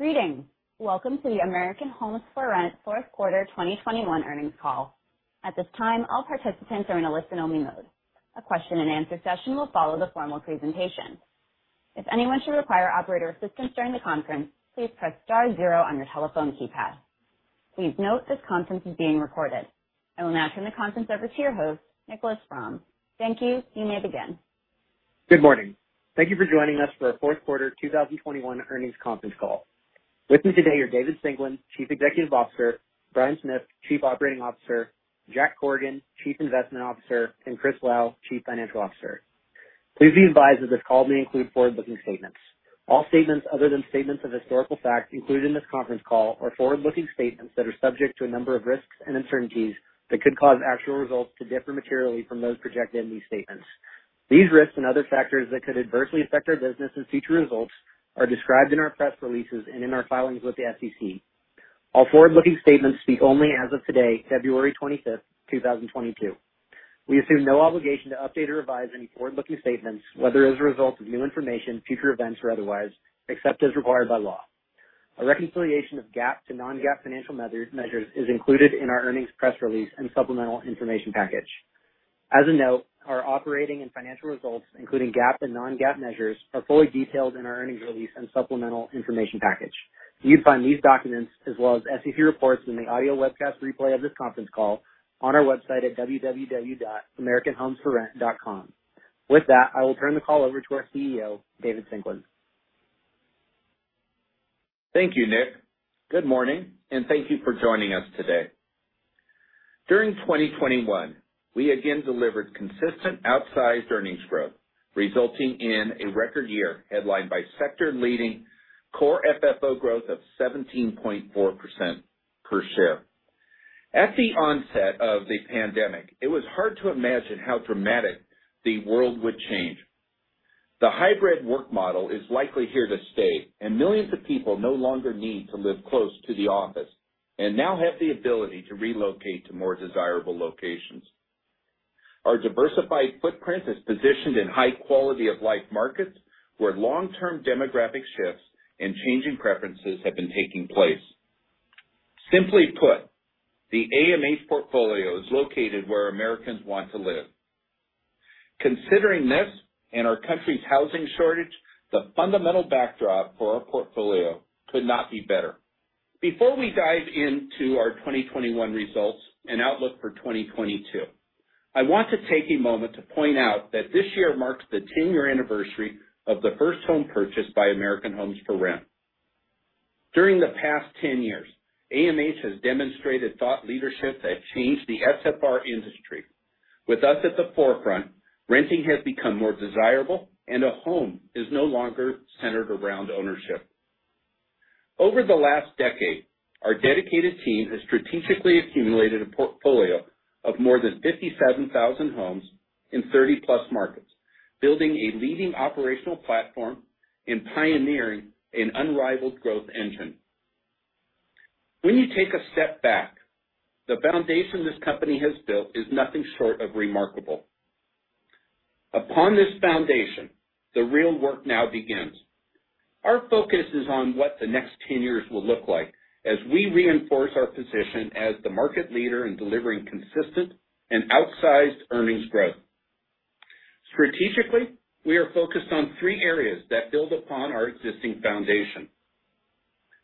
Greetings. Welcome to the American Homes 4 Rent fourth quarter 2021 earnings call. At this time, all participants are in a listen only mode. A question and answer session will follow the formal presentation. If anyone should require operator assistance during the conference, please press star zero on your telephone keypad. Please note this conference is being recorded. I will now turn the conference over to your host, Nicholas Fromm. Thank you. You may begin. Good morning. Thank you for joining us for our fourth quarter 2021 earnings conference call. With me today are David Singelyn, Chief Executive Officer, Bryan Smith, Chief Operating Officer, Jack Corrigan, Chief Investment Officer, and Chris Lau, Chief Financial Officer. Please be advised that this call may include forward-looking statements. All statements other than statements of historical fact included in this conference call are forward-looking statements that are subject to a number of risks and uncertainties that could cause actual results to differ materially from those projected in these statements. These risks and other factors that could adversely affect our business and future results are described in our press releases and in our filings with the SEC. All forward-looking statements speak only as of today, February 25, 2022. We assume no obligation to update or revise any forward-looking statements, whether as a result of new information, future events, or otherwise, except as required by law. A reconciliation of GAAP to non-GAAP financial measures is included in our earnings press release and supplemental information package. As a note, our operating and financial results, including GAAP and non-GAAP measures, are fully detailed in our earnings release and supplemental information package. You'd find these documents as well as SEC reports in the audio webcast replay of this conference call on our website at www.americanhomes4rent.com. With that, I will turn the call over to our CEO, David Singelyn. Thank you, Nick. Good morning, and thank you for joining us today. During 2021, we again delivered consistent outsized earnings growth, resulting in a record year headlined by sector-leading core FFO growth of 17.4% per share. At the onset of the pandemic, it was hard to imagine how dramatic the world would change. The hybrid work model is likely here to stay, and millions of people no longer need to live close to the office and now have the ability to relocate to more desirable locations. Our diversified footprint is positioned in high quality of life markets, where long-term demographic shifts and changing preferences have been taking place. Simply put, the AMH portfolio is located where Americans want to live. Considering this and our country's housing shortage, the fundamental backdrop for our portfolio could not be better. Before we dive into our 2021 results and outlook for 2022, I want to take a moment to point out that this year marks the 10-year anniversary of the first home purchase by American Homes 4 Rent. During the past 10 years, AMH has demonstrated thought leadership that changed the SFR industry. With us at the forefront, renting has become more desirable and a home is no longer centered around ownership. Over the last decade, our dedicated team has strategically accumulated a portfolio of more than 57,000 homes in 30+ markets, building a leading operational platform and pioneering an unrivaled growth engine. When you take a step back, the foundation this company has built is nothing short of remarkable. Upon this foundation, the real work now begins. Our focus is on what the next 10 years will look like as we reinforce our position as the market leader in delivering consistent and outsized earnings growth. Strategically, we are focused on three areas that build upon our existing foundation.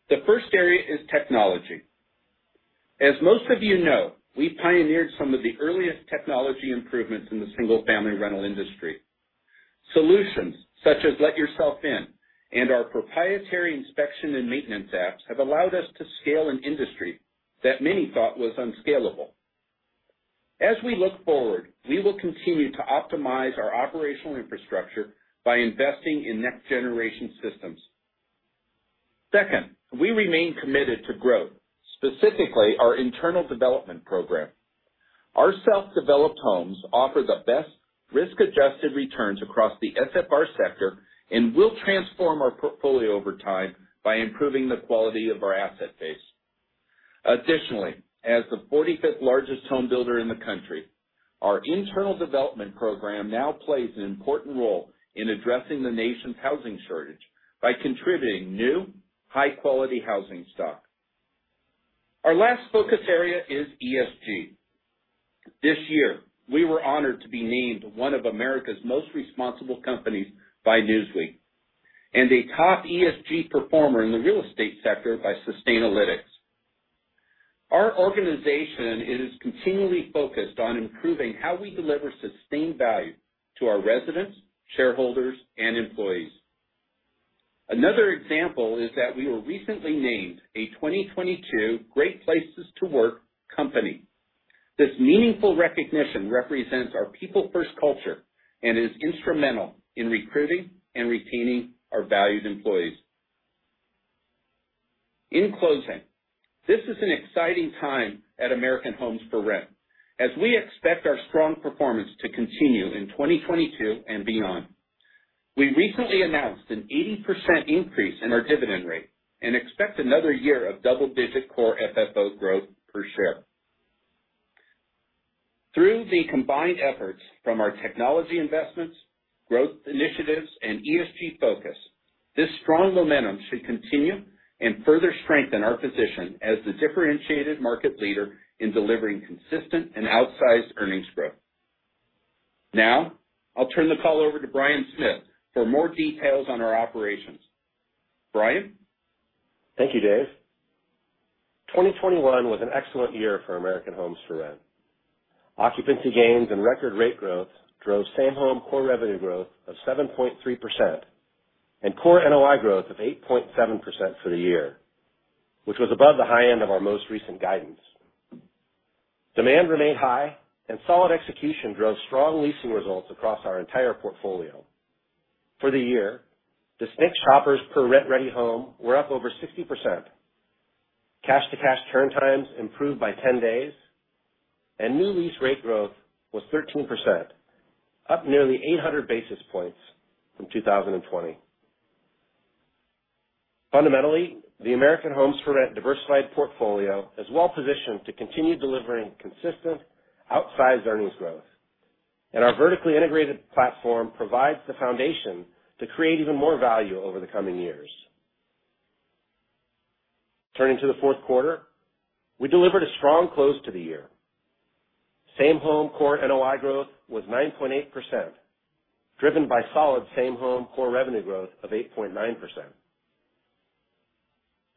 The first area is technology. As most of you know, we pioneered some of the earliest technology improvements in the single-family rental industry. Solutions such as Let Yourself In and our proprietary inspection and maintenance apps have allowed us to scale an industry that many thought was unscalable. As we look forward, we will continue to optimize our operational infrastructure by investing in next generation systems. Second, we remain committed to growth, specifically our internal development program. Our self-developed homes offer the best risk-adjusted returns across the SFR sector and will transform our portfolio over time by improving the quality of our asset base. Additionally, as the 45th largest home builder in the country, our internal development program now plays an important role in addressing the nation's housing shortage by contributing new, high quality housing stock. Our last focus area is ESG. This year, we were honored to be named one of America's most responsible companies by Newsweek and a top ESG performer in the real estate sector by Sustainalytics. Our organization is continually focused on improving how we deliver sustained value to our residents, shareholders, and employees. Another example is that we were recently named a 2022 Great Place To Work company. This meaningful recognition represents our people-first culture and is instrumental in recruiting and retaining our valued employees. In closing, this is an exciting time at American Homes 4 Rent as we expect our strong performance to continue in 2022 and beyond. We recently announced an 80% increase in our dividend rate and expect another year of double-digit core FFO growth per share. Through the combined efforts from our technology investments, growth initiatives, and ESG focus, this strong momentum should continue and further strengthen our position as the differentiated market leader in delivering consistent and outsized earnings growth. Now, I'll turn the call over to Bryan Smith for more details on our operations. Bryan? Thank you, David. 2021 was an excellent year for American Homes 4 Rent. Occupancy gains and record rate growth drove same-home core revenue growth of 7.3% and core NOI growth of 8.7% for the year, which was above the high end of our most recent guidance. Demand remained high, and solid execution drove strong leasing results across our entire portfolio. For the year, distinct shoppers per rent-ready home were up over 60%. Cash-to-cash turn times improved by 10 days, and new lease rate growth was 13%, up nearly 800 basis points from 2020. Fundamentally, the American Homes 4 Rent diversified portfolio is well-positioned to continue delivering consistent outsized earnings growth, and our vertically integrated platform provides the foundation to create even more value over the coming years. Turning to the fourth quarter, we delivered a strong close to the year. Same-home core NOI growth was 9.8%, driven by solid same-home core revenue growth of 8.9%.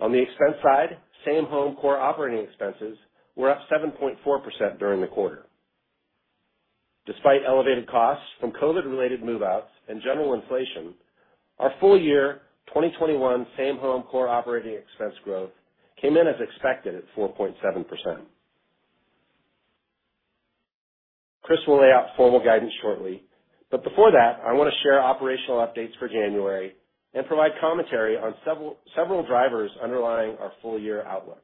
On the expense side, same-home core operating expenses were up 7.4% during the quarter. Despite elevated costs from COVID-related move-outs and general inflation, our full year 2021 same-home core operating expense growth came in as expected at 4.7%. Chris will lay out formal guidance shortly, but before that, I wanna share operational updates for January and provide commentary on several drivers underlying our full year outlook.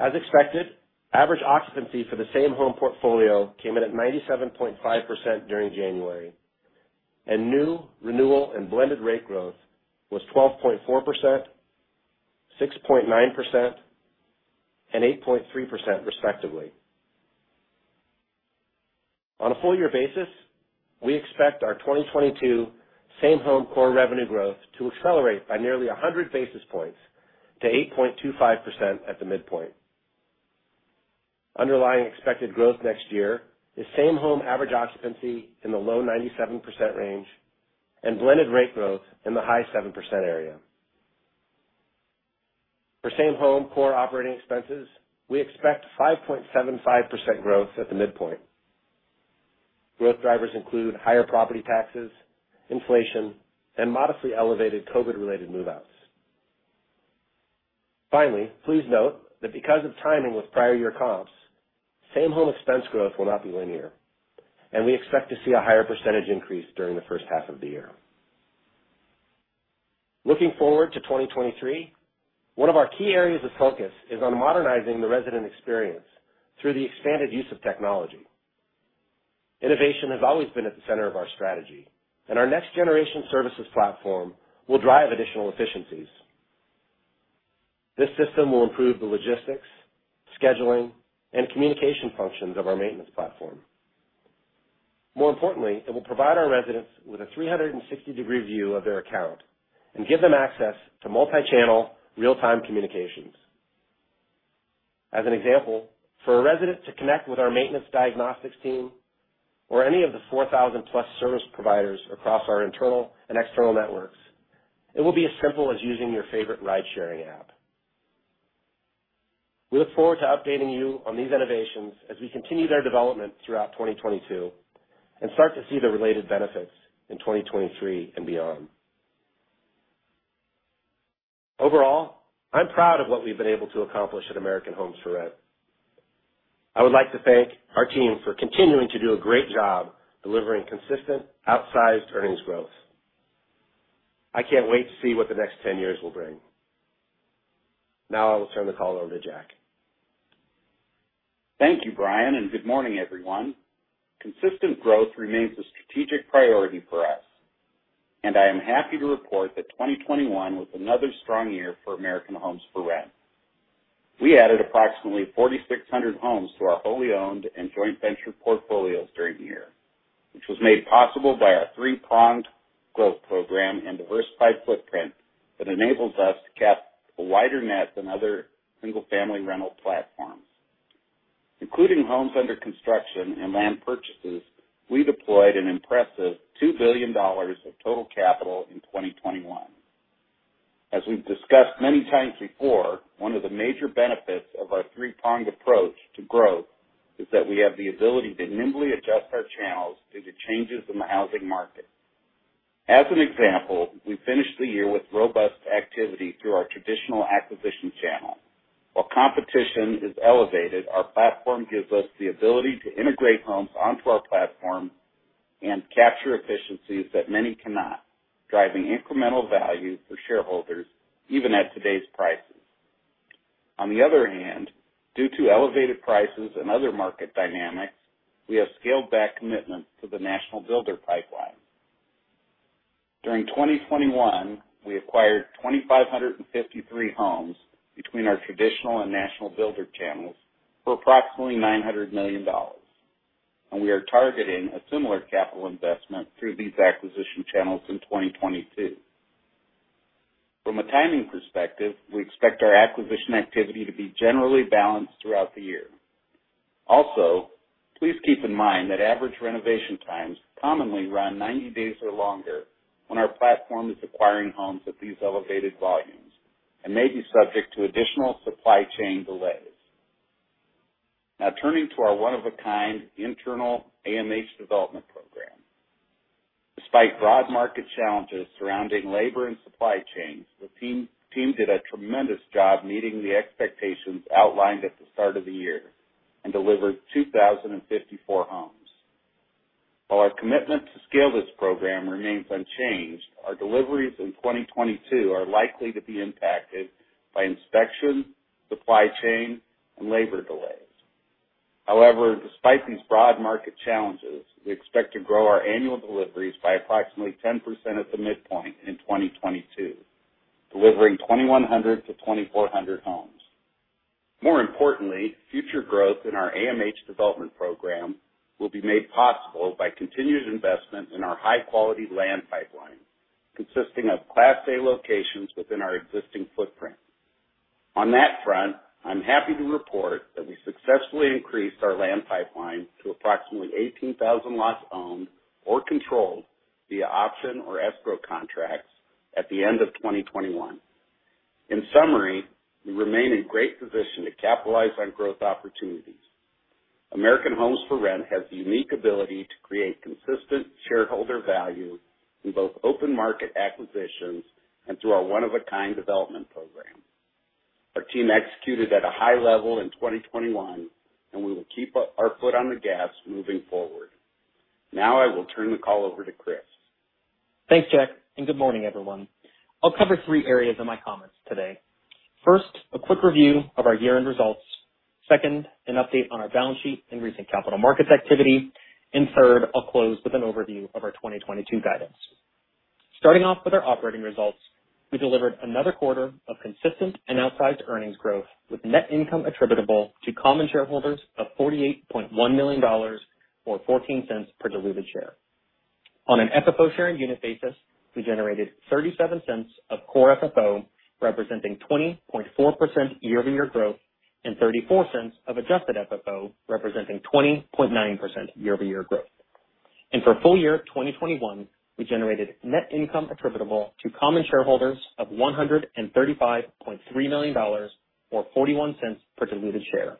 As expected, average occupancy for the same-home portfolio came in at 97.5% during January, and new renewal and blended rate growth was 12.4%, 6.9%, and 8.3% respectively. On a full year basis, we expect our 2022 same-home core revenue growth to accelerate by nearly 100 basis points to 8.25% at the midpoint. Underlying expected growth next year is same-home average occupancy in the low 97% range and blended rate growth in the high 7% area. For same-home core operating expenses, we expect 5.75% growth at the midpoint. Growth drivers include higher property taxes, inflation, and modestly elevated COVID-related move-outs. Finally, please note that because of timing with prior year comps, same-home expense growth will not be linear, and we expect to see a higher percentage increase during the first half of the year. Looking forward to 2023, one of our key areas of focus is on modernizing the resident experience through the expanded use of technology. Innovation has always been at the center of our strategy, and our next generation services platform will drive additional efficiencies. This system will improve the logistics, scheduling, and communication functions of our maintenance platform. More importantly, it will provide our residents with a 360-degree view of their account and give them access to multi-channel real-time communications. As an example, for a resident to connect with our maintenance diagnostics team or any of the 4,000+ service providers across our internal and external networks, it will be as simple as using your favorite ride-sharing app. We look forward to updating you on these innovations as we continue their development throughout 2022 and start to see the related benefits in 2023 and beyond. Overall, I'm proud of what we've been able to accomplish at American Homes 4 Rent. I would like to thank our team for continuing to do a great job delivering consistent, outsized earnings growth. I can't wait to see what the next 10 years will bring. Now I will turn the call over to Jack. Thank you, Bryan, and good morning, everyone. Consistent growth remains a strategic priority for us, and I am happy to report that 2021 was another strong year for American Homes 4 Rent. We added approximately 4,600 homes to our wholly owned and joint venture portfolios during the year, which was made possible by our three-pronged growth program and diversified footprint that enables us to cast a wider net than other single-family rental platforms. Including homes under construction and land purchases, we deployed an impressive $2 billion of total capital in 2021. As we've discussed many times before, one of the major benefits of our three-pronged approach to growth is that we have the ability to nimbly adjust our channels due to changes in the housing market. As an example, we finished the year with robust activity through our traditional acquisition channel. While competition is elevated, our platform gives us the ability to integrate homes onto our platform and capture efficiencies that many cannot, driving incremental value for shareholders even at today's prices. On the other hand, due to elevated prices and other market dynamics, we have scaled back commitment to the national builder pipeline. During 2021, we acquired 2,553 homes between our traditional and national builder channels for approximately $900 million, and we are targeting a similar capital investment through these acquisition channels in 2022. From a timing perspective, we expect our acquisition activity to be generally balanced throughout the year. Also, please keep in mind that average renovation times commonly run 90 days or longer when our platform is acquiring homes at these elevated volumes and may be subject to additional supply chain delays. Now turning to our one-of-a-kind internal AMH development program. Despite broad market challenges surrounding labor and supply chains, the team did a tremendous job meeting the expectations outlined at the start of the year and delivered 2,054 homes. While our commitment to scale this program remains unchanged, our deliveries in 2022 are likely to be impacted by inspection, supply chain, and labor delays. However, despite these broad market challenges, we expect to grow our annual deliveries by approximately 10% at the midpoint in 2022, delivering 2,100-2,400 homes. More importantly, future growth in our AMH development program will be made possible by continued investment in our high-quality land pipeline, consisting of Class A locations within our existing footprint. On that front, I'm happy to report that we successfully increased our land pipeline to approximately 18,000 lots owned or controlled via option or escrow contracts at the end of 2021. In summary, we remain in great position to capitalize on growth opportunities. American Homes 4 Rent has the unique ability to create consistent shareholder value in both open market acquisitions and through our one-of-a-kind development program. Our team executed at a high level in 2021, and we will keep our foot on the gas moving forward. Now I will turn the call over to Chris. Thanks, Jack, and good morning, everyone. I'll cover three areas in my comments today. First, a quick review of our year-end results. Second, an update on our balance sheet and recent capital markets activity. And third, I'll close with an overview of our 2022 guidance. Starting off with our operating results, we delivered another quarter of consistent and outsized earnings growth, with net income attributable to common shareholders of $48.1 million, or $0.14 per diluted share. On an FFO share unit basis, we generated $0.37 of core FFO, representing 20.4% year-over-year growth, and $0.34 of adjusted FFO, representing 20.9% year-over-year growth. For full year 2021, we generated net income attributable to common shareholders of $135.3 million or $0.41 per diluted share,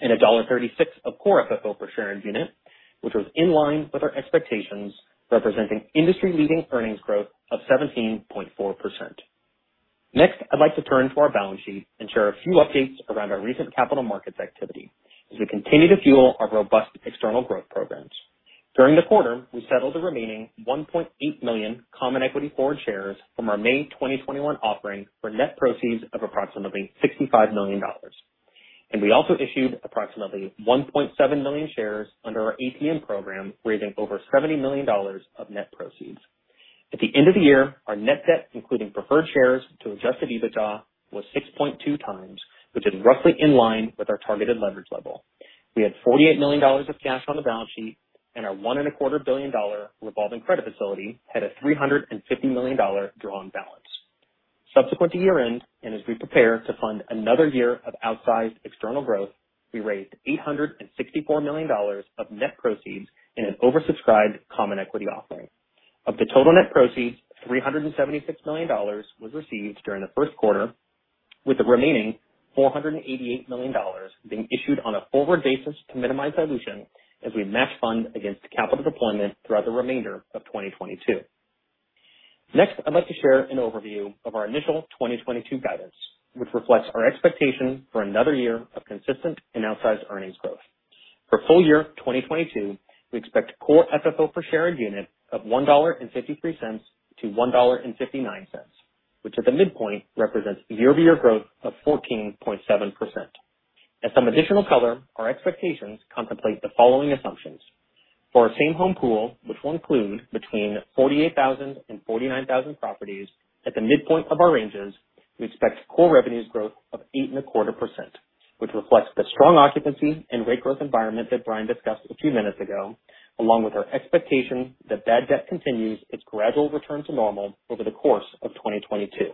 and $1.36 of core FFO per share and unit, which was in line with our expectations, representing industry-leading earnings growth of 17.4%. Next, I'd like to turn to our balance sheet and share a few updates around our recent capital markets activity as we continue to fuel our robust external growth programs. During the quarter, we settled the remaining 1.8 million common equity forward shares from our May 2021 offering for net proceeds of approximately $65 million. We also issued approximately 1.7 million shares under our ATM program, raising over $70 million of net proceeds. At the end of the year, our net debt, including preferred shares to adjusted EBITDA, was 6.2 times, which is roughly in line with our targeted leverage level. We had $48 million of cash on the balance sheet and our $1.25 billion revolving credit facility had a $350 million drawn balance. Subsequent to year-end, as we prepare to fund another year of outsized external growth, we raised $864 million of net proceeds in an oversubscribed common equity offering. Of the total net proceeds, $376 million was received during the first quarter, with the remaining $488 million being issued on a forward basis to minimize dilution as we match funds against capital deployment throughout the remainder of 2022. Next, I'd like to share an overview of our initial 2022 guidance, which reflects our expectation for another year of consistent and outsized earnings growth. For full year 2022, we expect core FFO per share unit of $1.53-$1.59, which at the midpoint represents year-over-year growth of 14.7%. As some additional color, our expectations contemplate the following assumptions. For our same home pool, which will include between 48,000 and 49,000 properties, at the midpoint of our ranges, we expect core revenues growth of 8.25%, which reflects the strong occupancy and rate growth environment that Bryan discussed a few minutes ago, along with our expectation that bad debt continues its gradual return to normal over the course of 2022.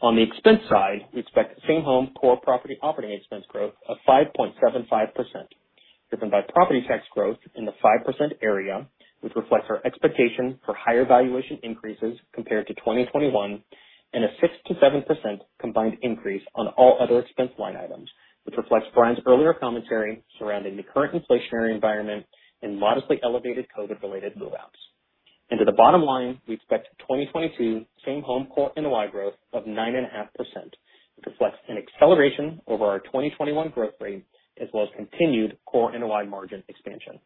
On the expense side, we expect same home core property operating expense growth of 5.75%, driven by property tax growth in the 5% area, which reflects our expectation for higher valuation increases compared to 2021, and a 6%-7% combined increase on all other expense line items, which reflects Bryan's earlier commentary surrounding the current inflationary environment and modestly elevated COVID-related move-outs. To the bottom line, we expect 2022 same home core NOI growth of 9.5%, which reflects an acceleration over our 2021 growth rate, as well as continued core NOI margin expansion.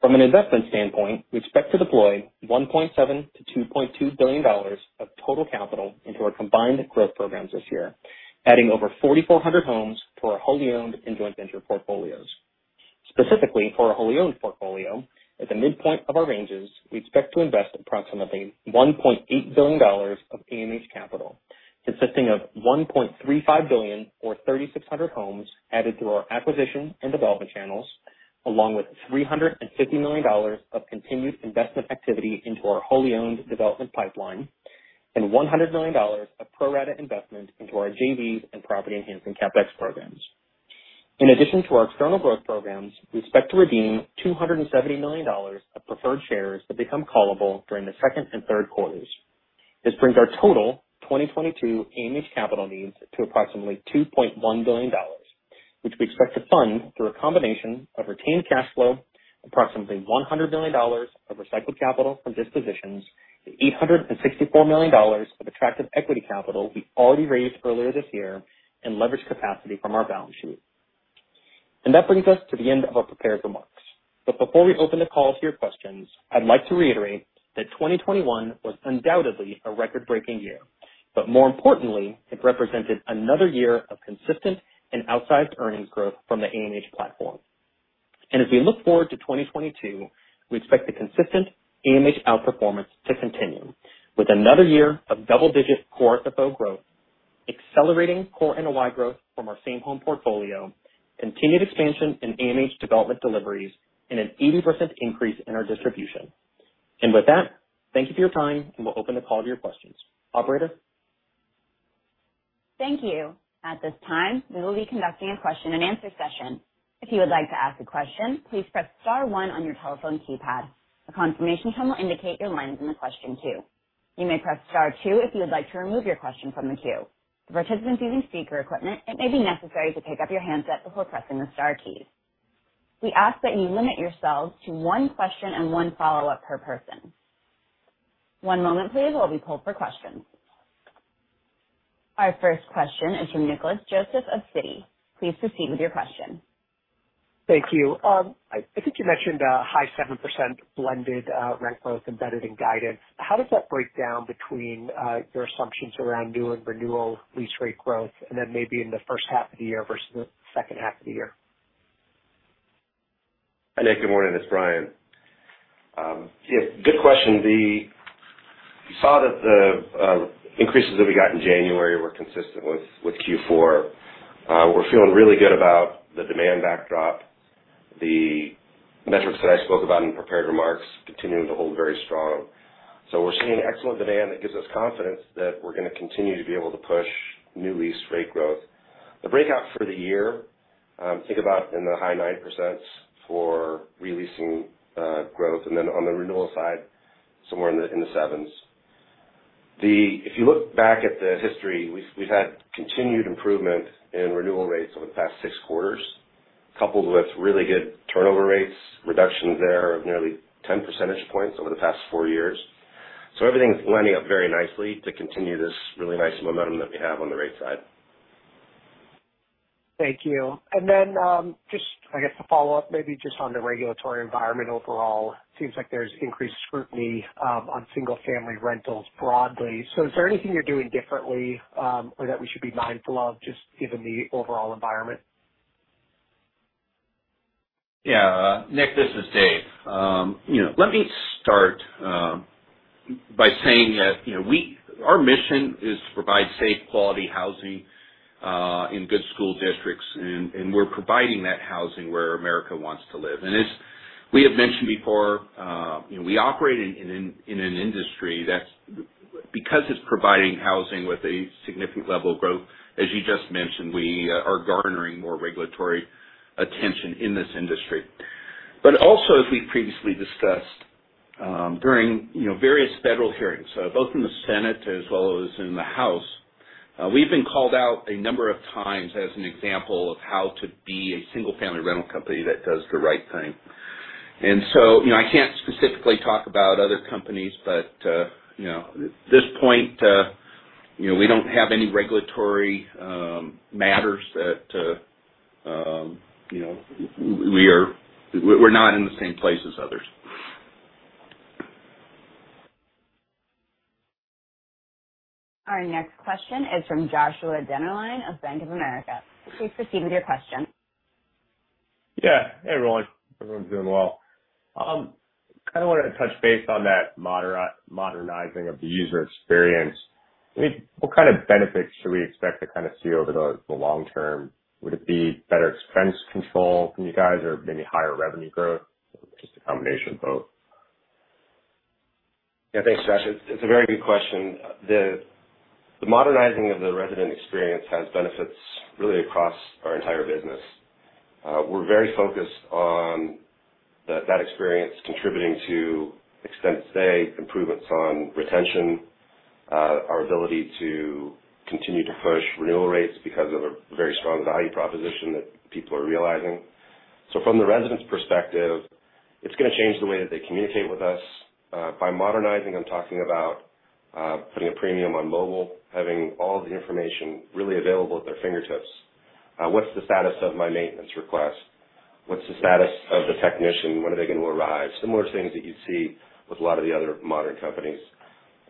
From an investment standpoint, we expect to deploy $1.7 billion-$2.2 billion of total capital into our combined growth programs this year, adding over 4,400 homes to our wholly owned and joint venture portfolios. Specifically for our wholly owned portfolio, at the midpoint of our ranges, we expect to invest approximately $1.8 billion of AMH capital, consisting of $1.35 billion or 3,600 homes added through our acquisition and development channels, along with $350 million of continued investment activity into our wholly owned development pipeline and $100 million of pro rata investment into our JVs and property enhancing CapEx programs. In addition to our external growth programs, we expect to redeem $270 million of preferred shares that become callable during the second and third quarters. This brings our total 2022 AMH capital needs to approximately $2.1 billion, which we expect to fund through a combination of retained cash flow, approximately $100 million of recycled capital from dispositions, $864 million of attractive equity capital we already raised earlier this year, and leverage capacity from our balance sheet. That brings us to the end of our prepared remarks. Before we open the call to your questions, I'd like to reiterate that 2021 was undoubtedly a record-breaking year. More importantly, it represented another year of consistent and outsized earnings growth from the AMH platform. As we look forward to 2022, we expect the consistent AMH outperformance to continue with another year of double-digit core FFO growth, accelerating core NOI growth from our same home portfolio, continued expansion in AMH development deliveries, and an 80% increase in our distribution. With that, thank you for your time, and we'll open the call to your questions. Operator? Thank you. At this time, we will be conducting a question and answer session. If you would like to ask a question, please press star one on your telephone keypad. A confirmation tone will indicate your line is in the question queue. You may press star two if you would like to remove your question from the queue. For participants using speaker equipment, it may be necessary to pick up your handset before pressing the star keys. We ask that you limit yourselves to one question and one follow-up per person. One moment please while we pull for questions. Our first question is from Nicholas Joseph of Citi. Please proceed with your question. Thank you. I think you mentioned high 7% blended rent growth embedded in guidance. How does that break down between your assumptions around new and renewal lease rate growth and then maybe in the first half of the year versus the second half of the year? Hi, Nick. Good morning. It's Bryan. Yeah, good question. You saw that the increases that we got in January were consistent with Q4. We're feeling really good about the demand backdrop. The metrics that I spoke about in prepared remarks continuing to hold very strong. We're seeing excellent demand that gives us confidence that we're gonna continue to be able to push new lease rate growth. The breakout for the year, think about in the high 9% for re-leasing growth, and then on the renewal side, somewhere in the 7s. If you look back at the history, we've had continued improvement in renewal rates over the past six quarters, coupled with really good turnover rates, reductions there of nearly 10 percentage points over the past four years. Everything's lining up very nicely to continue this really nice momentum that we have on the rate side. Thank you. Just I guess to follow up, maybe just on the regulatory environment overall, seems like there's increased scrutiny on single-family rentals broadly. Is there anything you're doing differently, or that we should be mindful of just given the overall environment? Nick, this is David. You know, let me start by saying that, you know, our mission is to provide safe, quality housing in good school districts, and we're providing that housing where America wants to live. As we have mentioned before, you know, we operate in an industry. Because it's providing housing with a significant level of growth, as you just mentioned, we are garnering more regulatory attention in this industry. Also, as we previously discussed, during, you know, various federal hearings, both in the Senate as well as in the House, we've been called out a number of times as an example of how to be a single-family rental company that does the right thing. You know, I can't specifically talk about other companies, but, you know, at this point, you know, we don't have any regulatory matters that, you know, we're not in the same place as others. Our next question is from Joshua Dennerlein of Bank of America. Please proceed with your question. Hey, everyone. Everyone's doing well. Kind of wanted to touch base on that modernizing of the user experience. I mean, what kind of benefits should we expect to kind of see over the long term? Would it be better expense control from you guys or maybe higher revenue growth or just a combination of both? Yeah. Thanks, Josh. It's a very good question. The modernizing of the resident experience has benefits really across our entire business. We're very focused on that experience contributing to extended stay, improvements on retention, our ability to continue to push renewal rates because of a very strong value proposition that people are realizing. From the resident's perspective, it's gonna change the way that they communicate with us. By modernizing, I'm talking about putting a premium on mobile, having all the information really available at their fingertips. What's the status of my maintenance request? What's the status of the technician? When are they going to arrive? Similar things that you'd see with a lot of the other modern companies.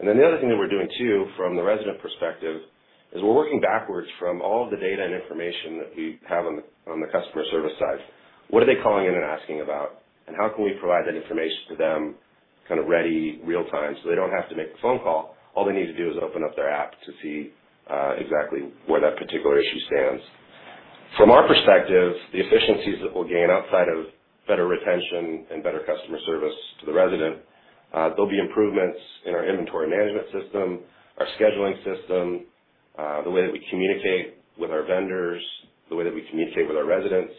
Then the other thing that we're doing too from the resident perspective is we're working backwards from all of the data and information that we have on the customer service side. What are they calling in and asking about? How can we provide that information to them kind of readily real time, so they don't have to make the phone call? All they need to do is open up their app to see exactly where that particular issue stands. From our perspective, the efficiencies that we'll gain outside of better retention and better customer service to the resident, there'll be improvements in our inventory management system, our scheduling system, the way that we communicate with our vendors, the way that we communicate with our residents.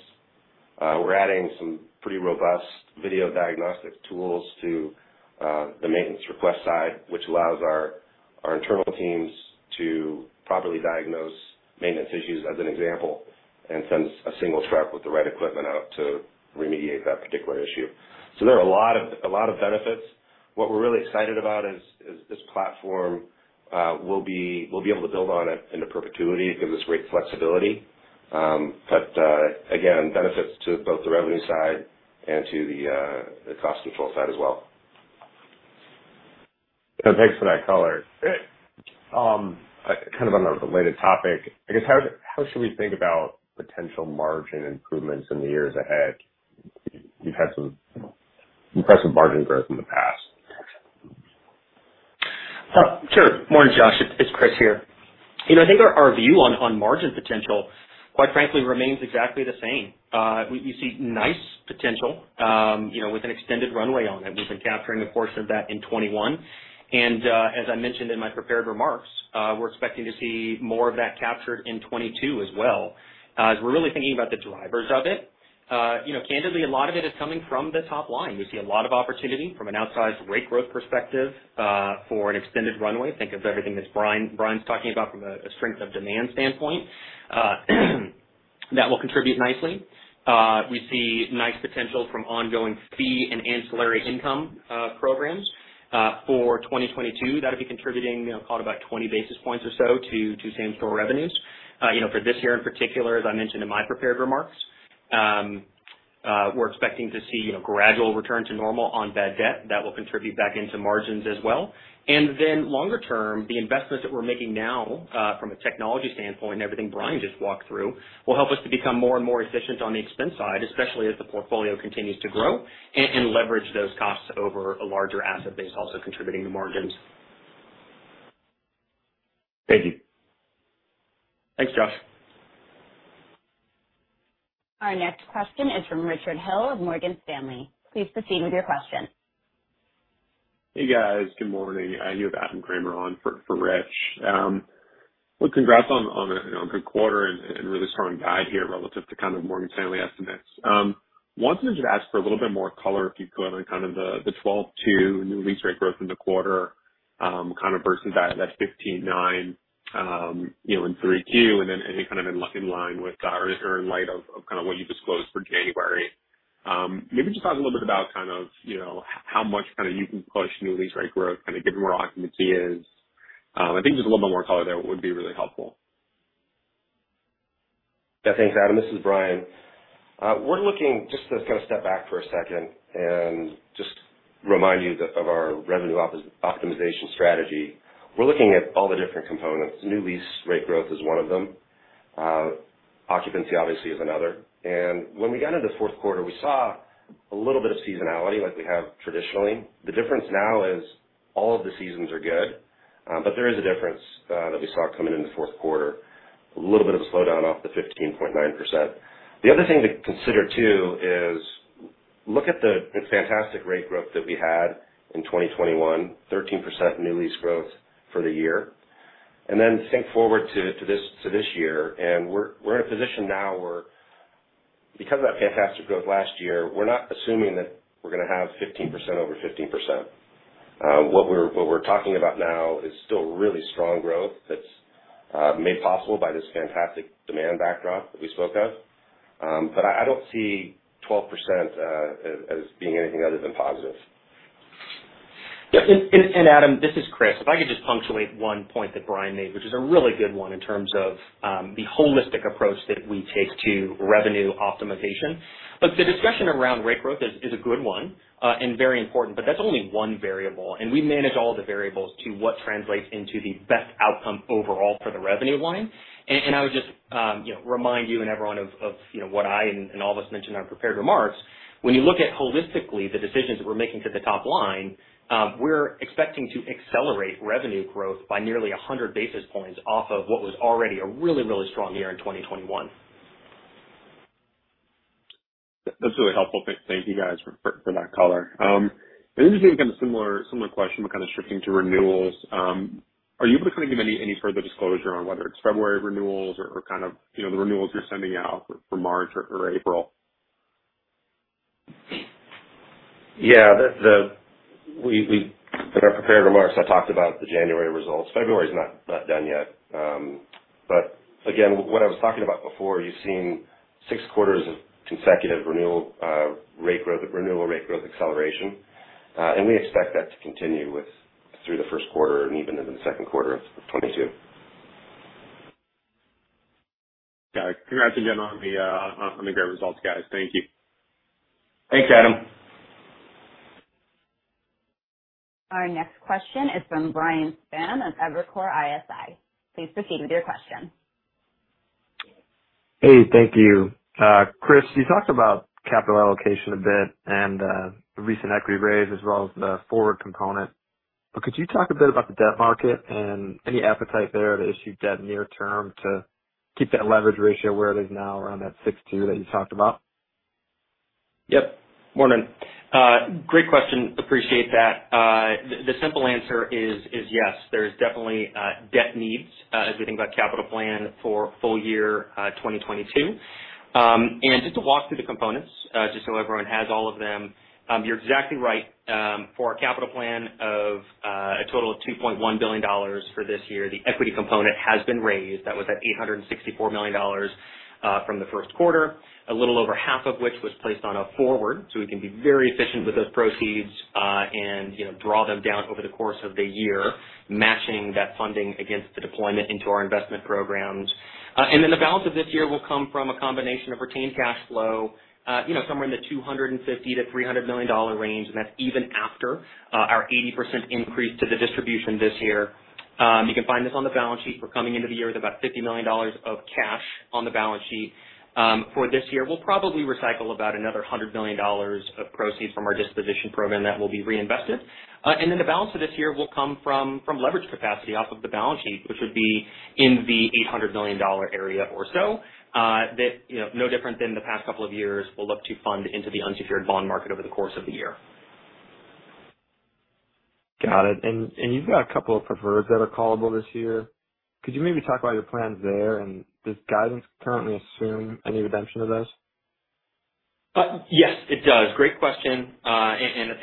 We're adding some pretty robust video diagnostic tools to the maintenance request side, which allows our internal teams to properly diagnose maintenance issues as an example, and sends a single truck with the right equipment out to remediate that particular issue. There are a lot of benefits. What we're really excited about is this platform. We'll be able to build on it into perpetuity because it's great flexibility. Again, benefits to both the revenue side and to the cost control side as well. Thanks for that color. Kind of on a related topic, I guess how should we think about potential margin improvements in the years ahead? You've had some impressive margin growth in the past. Sure. Morning, Josh. It's Chris here. You know, I think our view on margin potential, quite frankly, remains exactly the same. We see nice potential, you know, with an extended runway on it. We've been capturing the core of that in 2021. As I mentioned in my prepared remarks, we're expecting to see more of that captured in 2022 as well. As we're really thinking about the drivers of it, you know, candidly, a lot of it is coming from the top line. We see a lot of opportunity from an outsized rate growth perspective, for an extended runway. Think of everything that Bryan's talking about from a strength of demand standpoint, that will contribute nicely. We see nice potential from ongoing fee and ancillary income programs, for 2022. That'll be contributing, you know, call it about 20 basis points or so to same store revenues. You know, for this year in particular, as I mentioned in my prepared remarks, we're expecting to see, you know, gradual return to normal on bad debt. That will contribute back into margins as well. Longer term, the investments that we're making now, from a technology standpoint and everything Bryan just walked through, will help us to become more and more efficient on the expense side, especially as the portfolio continues to grow and leverage those costs over a larger asset base, also contributing to margins. Thank you. Thanks, Josh. Our next question is from Richard Hill of Morgan Stanley. Please proceed with your question. Hey, guys. Good morning. I'm Adam Kramer on for Rich. Well, congrats on a you know good quarter and really strong guide here relative to kind of Morgan Stanley estimates. Wanted to just ask for a little bit more color, if you could, on kind of the 12.2% new lease rate growth in the quarter, kind of versus that 15.9%, you know, in Q3, and then any kind of in line with or in light of kind of what you disclosed for January. Maybe just talk a little bit about kind of, you know, how much kind of you can push new lease rate growth, kind of given where occupancy is. I think just a little bit more color there would be really helpful. Yeah. Thanks, Adam. This is Bryan. We're looking just to kind of step back for a second and just remind you of our revenue optimization strategy. We're looking at all the different components. New lease rate growth is one of them. Occupancy obviously is another. When we got into the fourth quarter, we saw a little bit of seasonality like we have traditionally. The difference now is all of the seasons are good, but there is a difference that we saw coming in the fourth quarter, a little bit of a slowdown off the 15.9%. The other thing to consider too is look at the fantastic rate growth that we had in 2021, 13% new lease growth for the year. Think forward to this year, and we're in a position now where because of that fantastic growth last year, we're not assuming that we're gonna have 15% over 15%. What we're talking about now is still really strong growth that's made possible by this fantastic demand backdrop that we spoke of. I don't see 12% as being anything other than positive. Yeah. Adam, this is Chris. If I could just punctuate one point that Bryan made, which is a really good one in terms of the holistic approach that we take to revenue optimization. Look, the discussion around rate growth is a good one and very important, but that's only one variable, and we manage all the variables to what translates into the best outcome overall for the revenue line. I would just you know remind you and everyone of you know what I and all of us mentioned in our prepared remarks. When you look at holistically the decisions that we're making to the top line, we're expecting to accelerate revenue growth by nearly 100 basis points off of what was already a really really strong year in 2021. That's really helpful. Thank you guys for that color. Just maybe kind of similar question, but kind of shifting to renewals. Are you able to kind of give any further disclosure on whether it's February renewals or kind of you know the renewals you're sending out for March or April? In our prepared remarks, I talked about the January results. February is not done yet. Again, what I was talking about before, you've seen six quarters of consecutive renewal rate growth acceleration. We expect that to continue through the first quarter and even into the second quarter of 2022. Got it. Congrats again on the great results, guys. Thank you. Thanks, Adam. Our next question is from Brian Spahn of Evercore ISI. Please proceed with your question. Hey, thank you. Chris, you talked about capital allocation a bit and the recent equity raise as well as the forward component. Could you talk a bit about the debt market and any appetite there to issue debt near term to keep that leverage ratio where it is now around that 62% that you talked about? Yep. Morning. Great question. Appreciate that. The simple answer is yes, there's definitely debt needs as we think about capital plan for full year 2022. Just to walk through the components, just so everyone has all of them, you're exactly right. For our capital plan of a total of $2.1 billion for this year, the equity component has been raised. That was at $864 million from the first quarter, a little over half of which was placed on a forward. We can be very efficient with those proceeds, and you know, draw them down over the course of the year, matching that funding against the deployment into our investment programs. The balance of this year will come from a combination of retained cash flow, you know, somewhere in the $250 million-$300 million range, and that's even after our 80% increase to the distribution this year. You can find this on the balance sheet. We're coming into the year with about $50 million of cash on the balance sheet for this year. We'll probably recycle about another $100 million of proceeds from our disposition program that will be reinvested. The balance of this year will come from leverage capacity off of the balance sheet, which would be in the $800 million area or so. You know, no different than the past couple of years, we'll look to fund into the unsecured bond market over the course of the year. Got it. You've got a couple of preferreds that are callable this year. Could you maybe talk about your plans there, and does guidance currently assume any redemption of those? Yes, it does. Great question. I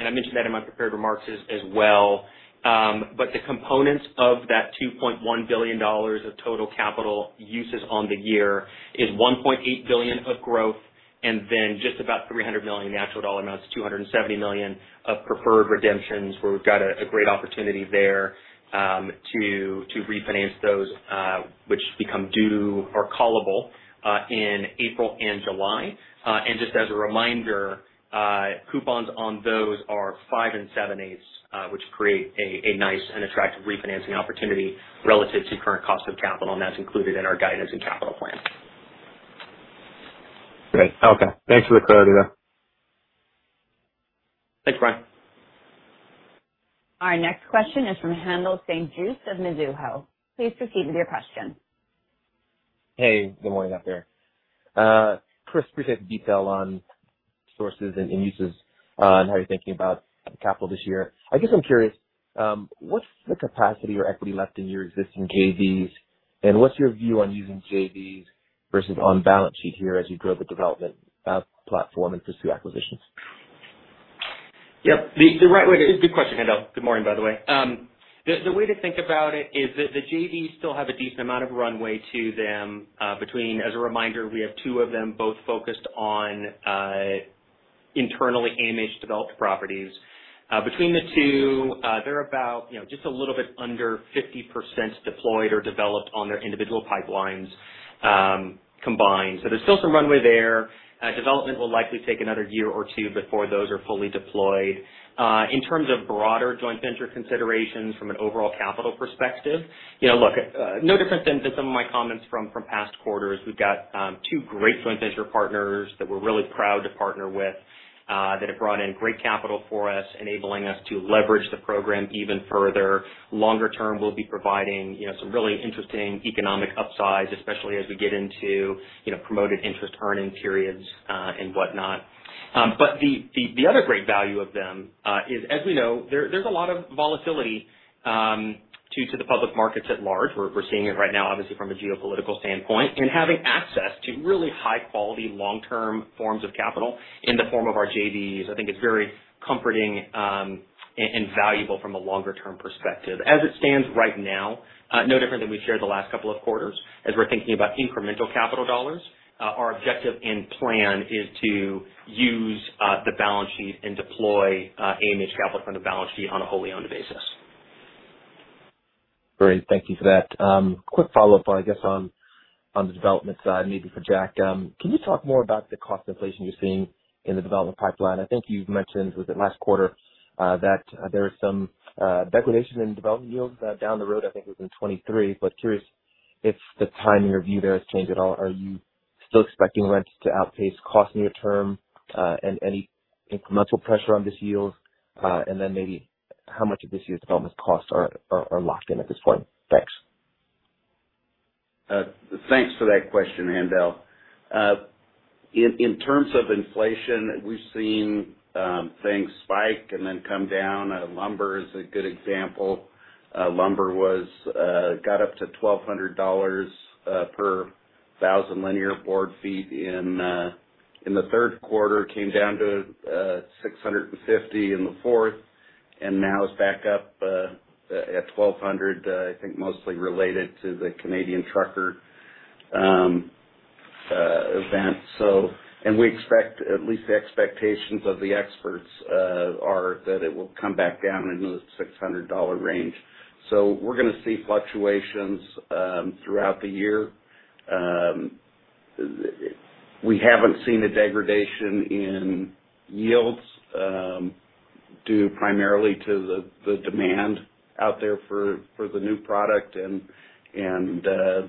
mentioned that in my prepared remarks as well. The components of that $2.1 billion of total capital uses on the year is $1.8 billion of growth and then just about $300 million after it all amounts to $270 million of preferred redemptions, where we've got a great opportunity there to refinance those, which become due or callable in April and July. Just as a reminder, coupons on those are 5 7/8, which create a nice and attractive refinancing opportunity relative to current cost of capital, and that's included in our guidance and capital plan. Great. Okay. Thanks for the clarity there. Thanks, Bryan. Our next question is from Haendel St. Juste of Mizuho. Please proceed with your question. Hey, good morning, out there. Chris, appreciate the detail on sources and uses, and how you're thinking about capital this year. I guess I'm curious, what's the capacity or equity left in your existing JVs, and what's your view on using JVs versus on balance sheet here as you grow the development platform and pursue acquisitions? Yep. The right way to think about it is that the JVs still have a decent amount of runway to them, between, as a reminder, we have two of them both focused on internally AMH-developed properties. Between the two, they're about, you know, just a little bit under 50% deployed or developed on their individual pipelines, combined. So there's still some runway there. Development will likely take another year or two before those are fully deployed. In terms of broader joint venture considerations from an overall capital perspective, you know, look, no different than some of my comments from past quarters. We've got two great joint venture partners that we're really proud to partner with that have brought in great capital for us, enabling us to leverage the program even further. Longer term, we'll be providing, you know, some really interesting economic upside, especially as we get into, you know, promoted interest earning periods and whatnot. The other great value of them is, as we know, there's a lot of volatility to the public markets at large. We're seeing it right now, obviously from a geopolitical standpoint, and having access to really high-quality long-term forms of capital in the form of our JVs, I think is very comforting and valuable from a longer term perspective. As it stands right now, no different than we've shared the last couple of quarters, as we're thinking about incremental capital dollars, our objective and plan is to use the balance sheet and deploy AMH capital from the balance sheet on a wholly owned basis. Great. Thank you for that. Quick follow-up, I guess on the development side, maybe for Jack. Can you talk more about the cost inflation you're seeing in the development pipeline? I think you've mentioned, was it last quarter, that there is some degradation in development yields, down the road, I think it was in 2023, but curious if the timing or view there has changed at all. Are you still expecting rents to outpace cost near term, and any incremental pressure on this yield? And then maybe how much of this year's development costs are locked in at this point? Thanks. Thanks for that question, Haendel. In terms of inflation, we've seen things spike and then come down. Lumber is a good example. Lumber got up to $1,200 per 1,000 linear board feet in the third quarter, came down to $650 in the fourth, and now is back up at $1,200, I think mostly related to the Canadian trucker event. We expect, at least the expectations of the experts are that it will come back down into the $600 range. We're gonna see fluctuations throughout the year. We haven't seen a degradation in yields due primarily to the demand out there for the new product and the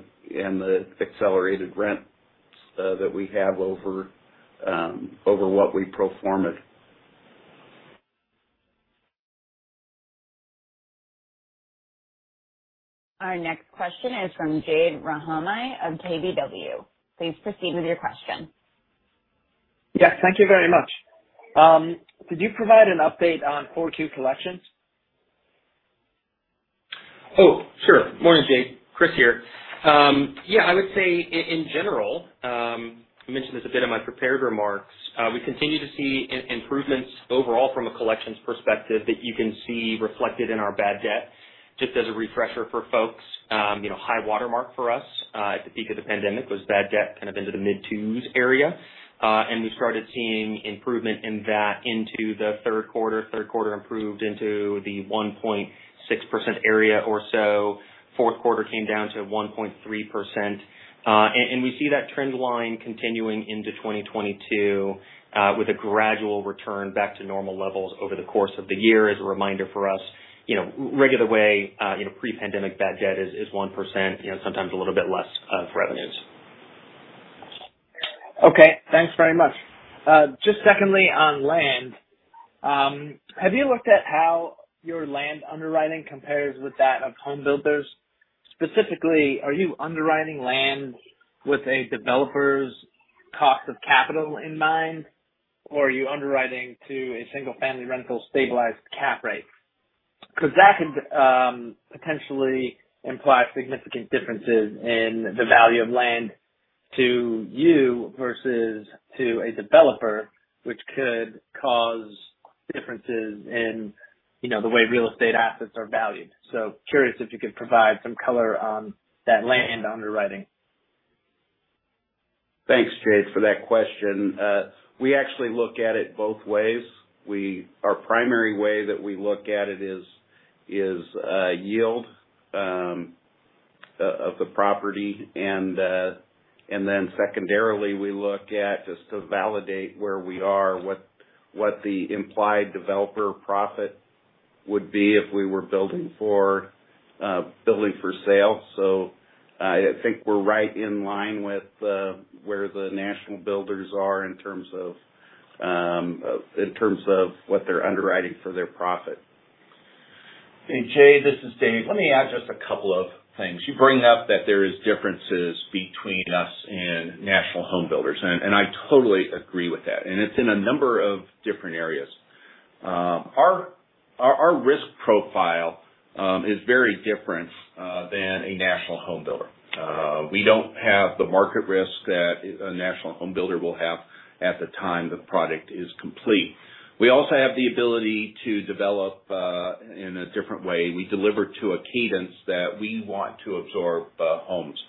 accelerated rents that we have over what we pro forma'd. Our next question is from Jade Rahmani of KBW. Please proceed with your question. Yes. Thank you very much. Could you provide an update on Q2 collections? Oh, sure. Morning, Jade. Chris here. Yeah, I would say in general, I mentioned this a bit in my prepared remarks, we continue to see improvements overall from a collections perspective that you can see reflected in our bad debt. Just as a refresher for folks, you know, high watermark for us, at the peak of the pandemic was bad debt kind of into the mid-2s area. We started seeing improvement in that into the third quarter. Third quarter improved into the 1.6% area or so. Fourth quarter came down to 1.3%. We see that trend line continuing into 2022, with a gradual return back to normal levels over the course of the year as a reminder for us. You know, regular way, you know, pre-pandemic bad debt is 1%, you know, sometimes a little bit less, for revenues. Okay. Thanks very much. Just secondly on land, have you looked at how your land underwriting compares with that of homebuilders? Specifically, are you underwriting land with a developer's cost of capital in mind, or are you underwriting to a single family rental stabilized cap rate? Because that could potentially imply significant differences in the value of land to you versus to a developer, which could cause differences in the way real estate assets are valued. Curious if you could provide some color on that land underwriting. Thanks, Jade, for that question. We actually look at it both ways. Our primary way that we look at it is yield of the property. Secondarily, we look at just to validate where we are what the implied developer profit would be if we were building for sale. I think we're right in line with where the national builders are in terms of what they're underwriting for their profit. Hey, Jade, this is David. Let me add just a couple of things. You bring up that there is differences between us and national homebuilders, and I totally agree with that. It's in a number of different areas. Our risk profile is very different than a national homebuilder. We don't have the market risk that a national homebuilder will have at the time the product is complete. We also have the ability to develop in a different way. We deliver to a cadence that we want to absorb homes.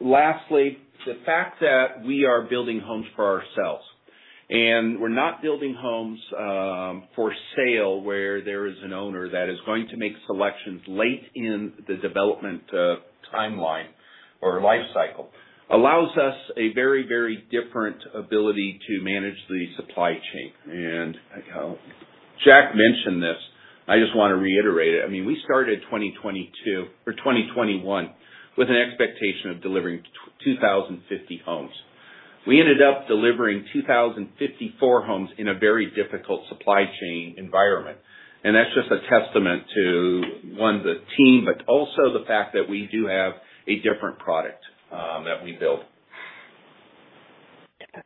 Lastly, the fact that we are building homes for ourselves, and we're not building homes for sale, where there is an owner that is going to make selections late in the development timeline or lifecycle, allows us a very, very different ability to manage the supply chain. Jack mentioned this. I just wanna reiterate it. I mean, we started 2022 or 2021 with an expectation of delivering 2,050 homes. We ended up delivering 2,054 homes in a very difficult supply chain environment. That's just a testament to, one, the team, but also the fact that we do have a different product that we build.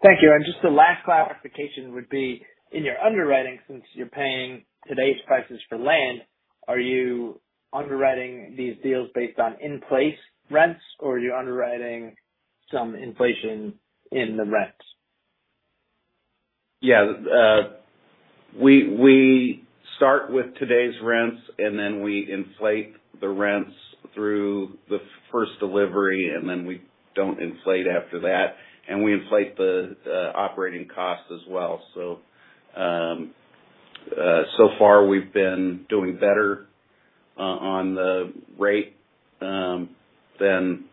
Thank you. Just the last clarification would be, in your underwriting, since you're paying today's prices for land, are you underwriting these deals based on in-place rents, or are you underwriting some inflation in the rents? Yeah. We start with today's rents, and then we inflate the rents through the first delivery, and then we don't inflate after that. We inflate the operating costs as well. So far we've been doing better on the rate than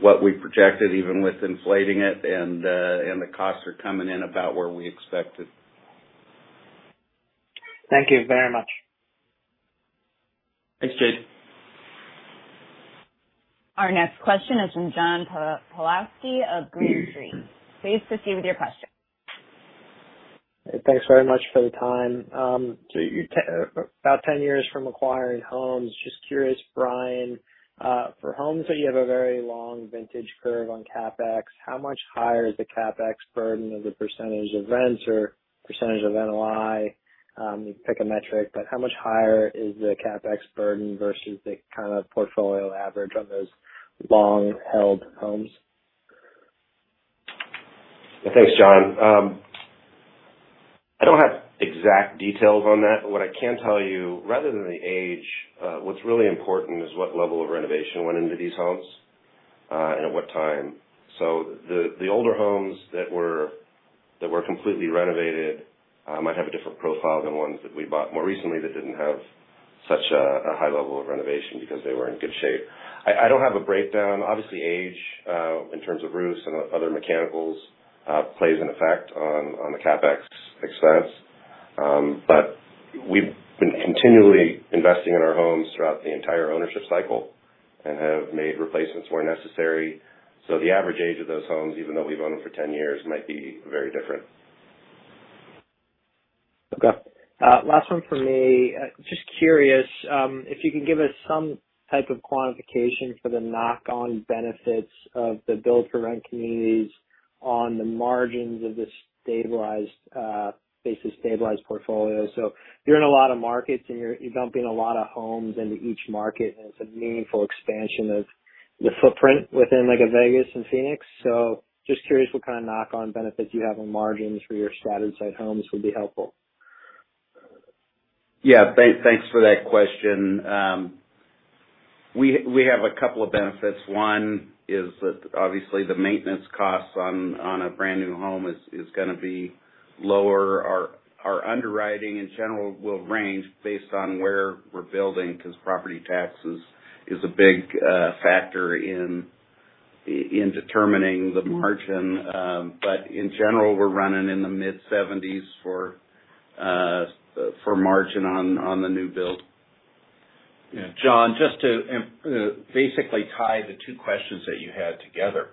what we projected, even with inflating it. The costs are coming in about where we expected. Thank you very much. Thanks, Jade. Our next question is from John Pawlowski of Green Street. Please proceed with your question. Thanks very much for the time. About 10 years from acquiring homes, just curious, Bryan, for homes that you have a very long vintage curve on CapEx, how much higher is the CapEx burden as a percentage of rents or percentage of NOI? You can pick a metric, but how much higher is the CapEx burden versus the kinda portfolio average on those long-held homes? Thanks, John. I don't have exact details on that. What I can tell you, rather than the age, what's really important is what level of renovation went into these homes, and at what time. The older homes that were completely renovated might have a different profile than ones that we bought more recently that didn't have such a high level of renovation because they were in good shape. I don't have a breakdown. Obviously, age in terms of roofs and other mechanicals plays an effect on the CapEx expense. We've been continually investing in our homes throughout the entire ownership cycle and have made replacements where necessary. The average age of those homes, even though we've owned them for 10 years, might be very different. Okay. Last one for me. Just curious if you can give us some type of quantification for the knock on benefits of the build to rent communities on the margins of the stabilized basic stabilized portfolio. You're in a lot of markets, and you're dumping a lot of homes into each market, and it's a meaningful expansion of the footprint within like Vegas and Phoenix. Just curious what kind of knock on benefits you have on margins for your scattered site homes would be helpful. Thanks for that question. We have a couple of benefits. One is that obviously the maintenance costs on a brand new home is gonna be lower. Our underwriting in general will range based on where we're building because property taxes is a big factor in determining the margin. In general, we're running in the mid-70s% for margin on the new build. Yeah. John, just to basically tie the two questions that you had together.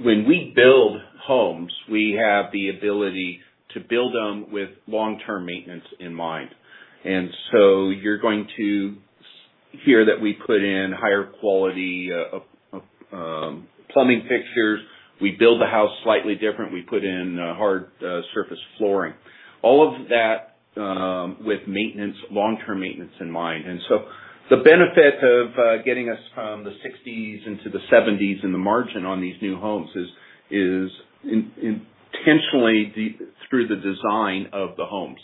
When we build homes, we have the ability to build them with long-term maintenance in mind. You're going to hear that we put in higher quality of plumbing fixtures. We build the house slightly different. We put in hard surface flooring. All of that with maintenance, long-term maintenance in mind. The benefit of getting us from the 60%-70% in the margin on these new homes is intentionally through the design of the homes.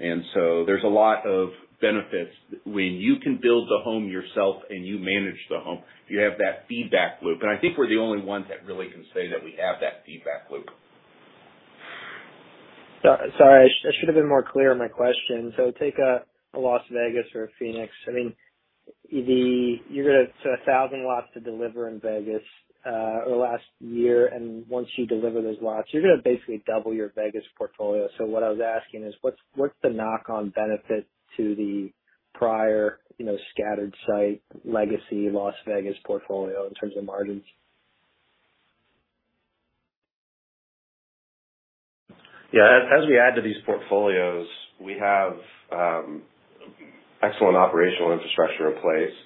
There's a lot of benefits when you can build the home yourself and you manage the home, you have that feedback loop. I think we're the only ones that really can say that we have that feedback loop. Sorry, I should have been more clear on my question. Take Las Vegas or Phoenix. I mean, so 1,000 lots to deliver in Vegas over last year. Once you deliver those lots, you're gonna basically double your Vegas portfolio. What I was asking is, what's the knock-on benefit to the prior, you know, scattered-site, legacy Las Vegas portfolio in terms of margins? Yeah. As we add to these portfolios, we have excellent operational infrastructure in place.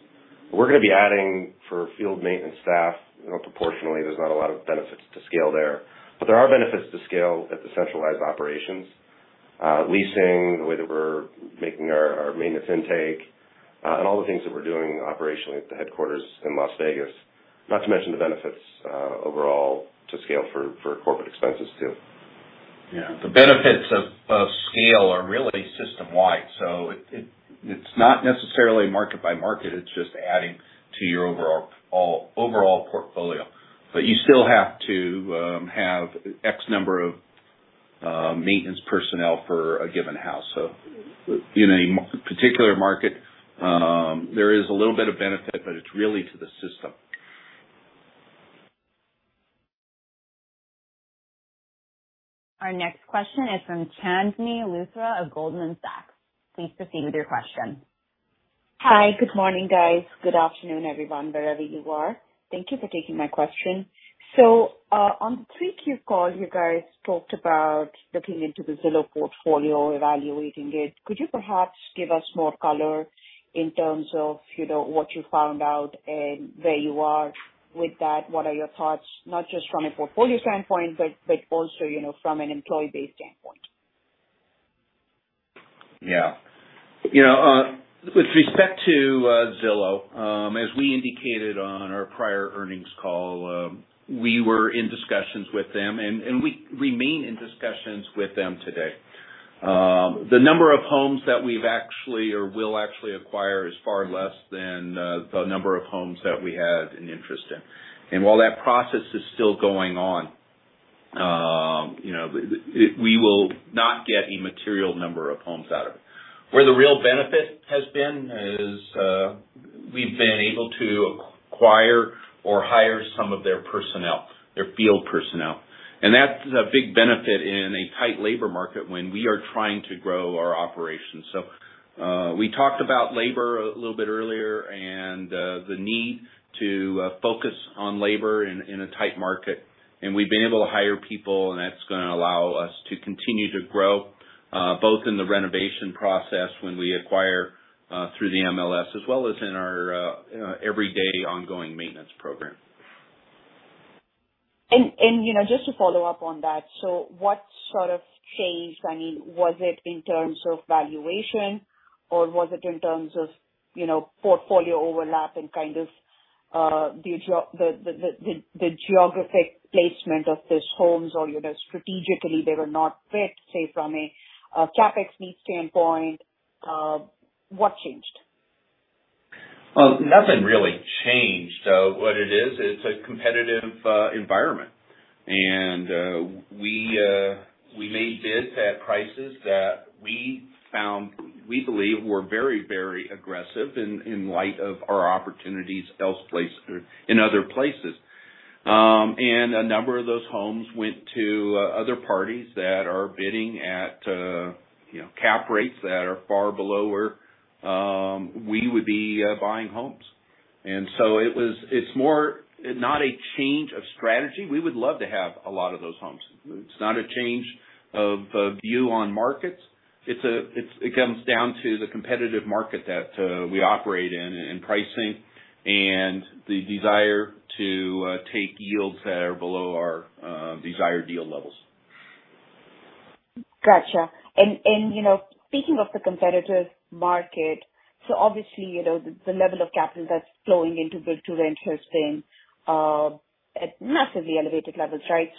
We're gonna be adding more field maintenance staff. You know, proportionally, there's not a lot of benefits to scale there. But there are benefits to scale at the centralized operations, leasing, the way that we're making our maintenance intake, and all the things that we're doing operationally at the headquarters in Las Vegas. Not to mention the benefits overall to scale for corporate expenses too. Yeah. The benefits of scale are really system-wide, so it's not necessarily market by market. It's just adding to your overall portfolio. You still have to have X number of maintenance personnel for a given house. In a particular market, there is a little bit of benefit, but it's really to the system. Our next question is from Chandni Luthra of Goldman Sachs. Please proceed with your question. Hi. Good morning, guys. Good afternoon, everyone, wherever you are. Thank you for taking my question. On the Pre-cue call, you guys talked about looking into the Zillow portfolio, evaluating it. Could you perhaps give us more color in terms of, you know, what you found out and where you are with that? What are your thoughts, not just from a portfolio standpoint, but also, you know, from an employee base standpoint? Yeah. You know, with respect to Zillow, as we indicated on our prior earnings call, we were in discussions with them, and we remain in discussions with them today. The number of homes that we've actually or will actually acquire is far less than the number of homes that we had an interest in. While that process is still going on, we will not get a material number of homes out of it. Where the real benefit has been is we've been able to acquire or hire some of their personnel, their field personnel. That's a big benefit in a tight labor market when we are trying to grow our operations. We talked about labor a little bit earlier and the need to focus on labor in a tight market. We've been able to hire people, and that's gonna allow us to continue to grow, both in the renovation process when we acquire through the MLS, as well as in our everyday ongoing maintenance program. You know, just to follow up on that, so what sort of change, I mean, was it in terms of valuation? Was it in terms of, you know, portfolio overlap and kind of, the geographic placement of these homes or, you know, strategically they were not fit, say, from a CapEx need standpoint. What changed? Well, nothing really changed. What it is, it's a competitive environment. We may bid at prices that we found we believe were very, very aggressive in light of our opportunities elsewhere or in other places. A number of those homes went to other parties that are bidding at, you know, cap rates that are far below where we would be buying homes. It was more not a change of strategy. We would love to have a lot of those homes. It's not a change of view on markets. It comes down to the competitive market that we operate in and pricing and the desire to take yields that are below our desired deal levels. Gotcha. You know, speaking of the competitive market, obviously, you know, the level of capital that's flowing into build to rent has been at massively elevated levels, right?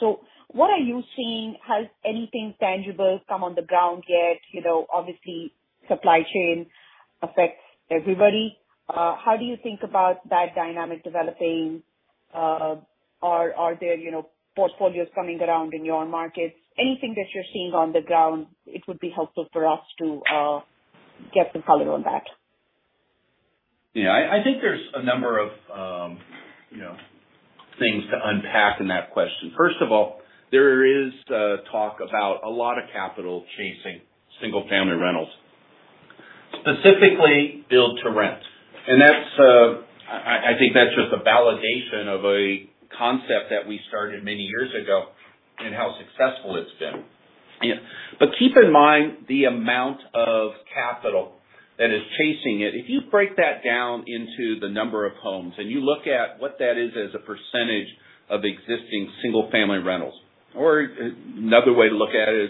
What are you seeing? Has anything tangible come on the ground yet? You know, obviously supply chain affects everybody. How do you think about that dynamic developing? Are there, you know, portfolios coming around in your markets? Anything that you're seeing on the ground, it would be helpful for us to get some color on that. Yeah. I think there's a number of, you know, things to unpack in that question. First of all, there is talk about a lot of capital chasing single family rentals, specifically build to rent. That's, I think that's just a validation of a concept that we started many years ago and how successful it's been. You know? But keep in mind the amount of capital that is chasing it. If you break that down into the number of homes and you look at what that is as a percentage of existing single family rentals, or another way to look at it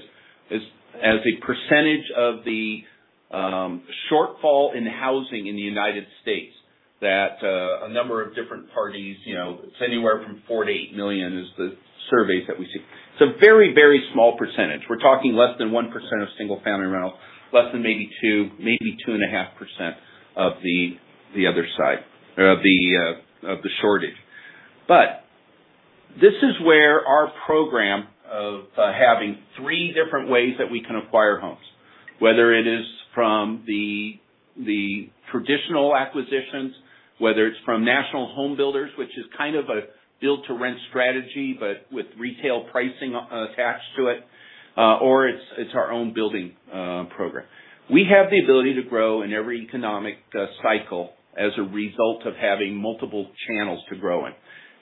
is as a percentage of the shortfall in housing in the United States that a number of different parties, you know, it's anywhere from 40-80 million is the surveys that we see. It's a very, very small percentage. We're talking less than 1% of single family rentals, less than maybe 2%, maybe 2.5% of the other side, or of the shortage. This is where our program of having three different ways that we can acquire homes, whether it is from the traditional acquisitions, whether it's from national home builders, which is kind of a build to rent strategy, but with retail pricing attached to it, or it's our own building program. We have the ability to grow in every economic cycle as a result of having multiple channels to grow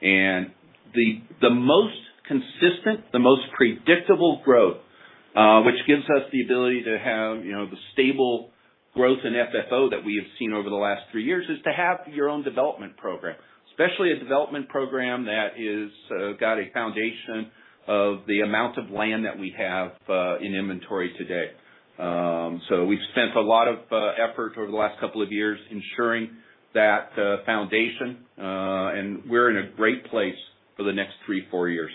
in. The most consistent, the most predictable growth, which gives us the ability to have, you know, the stable growth in FFO that we have seen over the last three years is to have your own development program, especially a development program that is got a foundation of the amount of land that we have in inventory today. We've spent a lot of effort over the last couple of years ensuring that foundation, and we're in a great place for the next three, four years,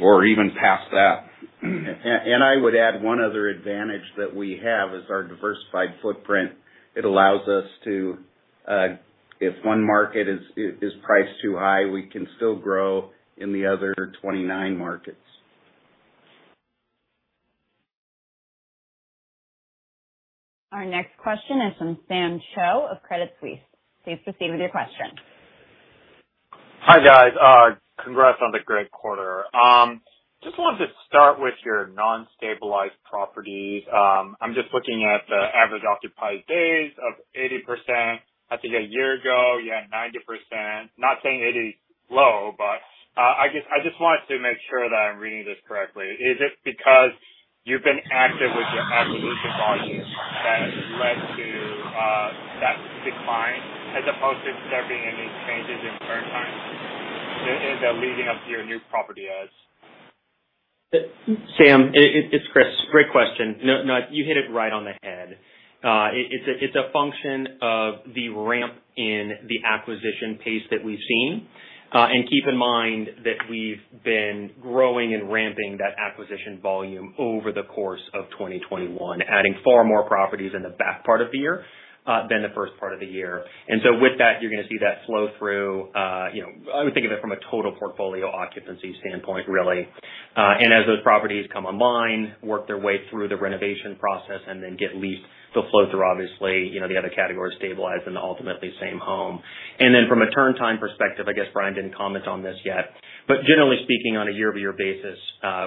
or even past that. I would add one other advantage that we have is our diversified footprint. It allows us to, if one market is priced too high, we can still grow in the other 29 markets. Our next question is from Sam Choe of Credit Suisse. Please proceed with your question. Hi, guys. Congrats on the great quarter. Just wanted to start with your non-stabilized properties. I'm just looking at the average occupied days of 80%. I think a year ago you had 90%. Not saying 80% is low, but I just wanted to make sure that I'm reading this correctly. Is it because you've been active with your acquisition volume that has led to that decline as opposed to there being any changes in turn times in the leading up to your new property IOs? Sam, it's Chris. Great question. No, you hit it right on the head. It's a function of the ramp in the acquisition pace that we've seen. Keep in mind that we've been growing and ramping that acquisition volume over the course of 2021, adding far more properties in the back part of the year than the first part of the year. With that, you're gonna see that flow through. You know, I would think of it from a total portfolio occupancy standpoint, really. As those properties come online, work their way through the renovation process and then get leased, they'll flow through obviously, you know, the other category, stabilize and ultimately same home. Then from a turn time perspective, I guess Bryan didn't comment on this yet, but generally speaking, on a year-over-year basis,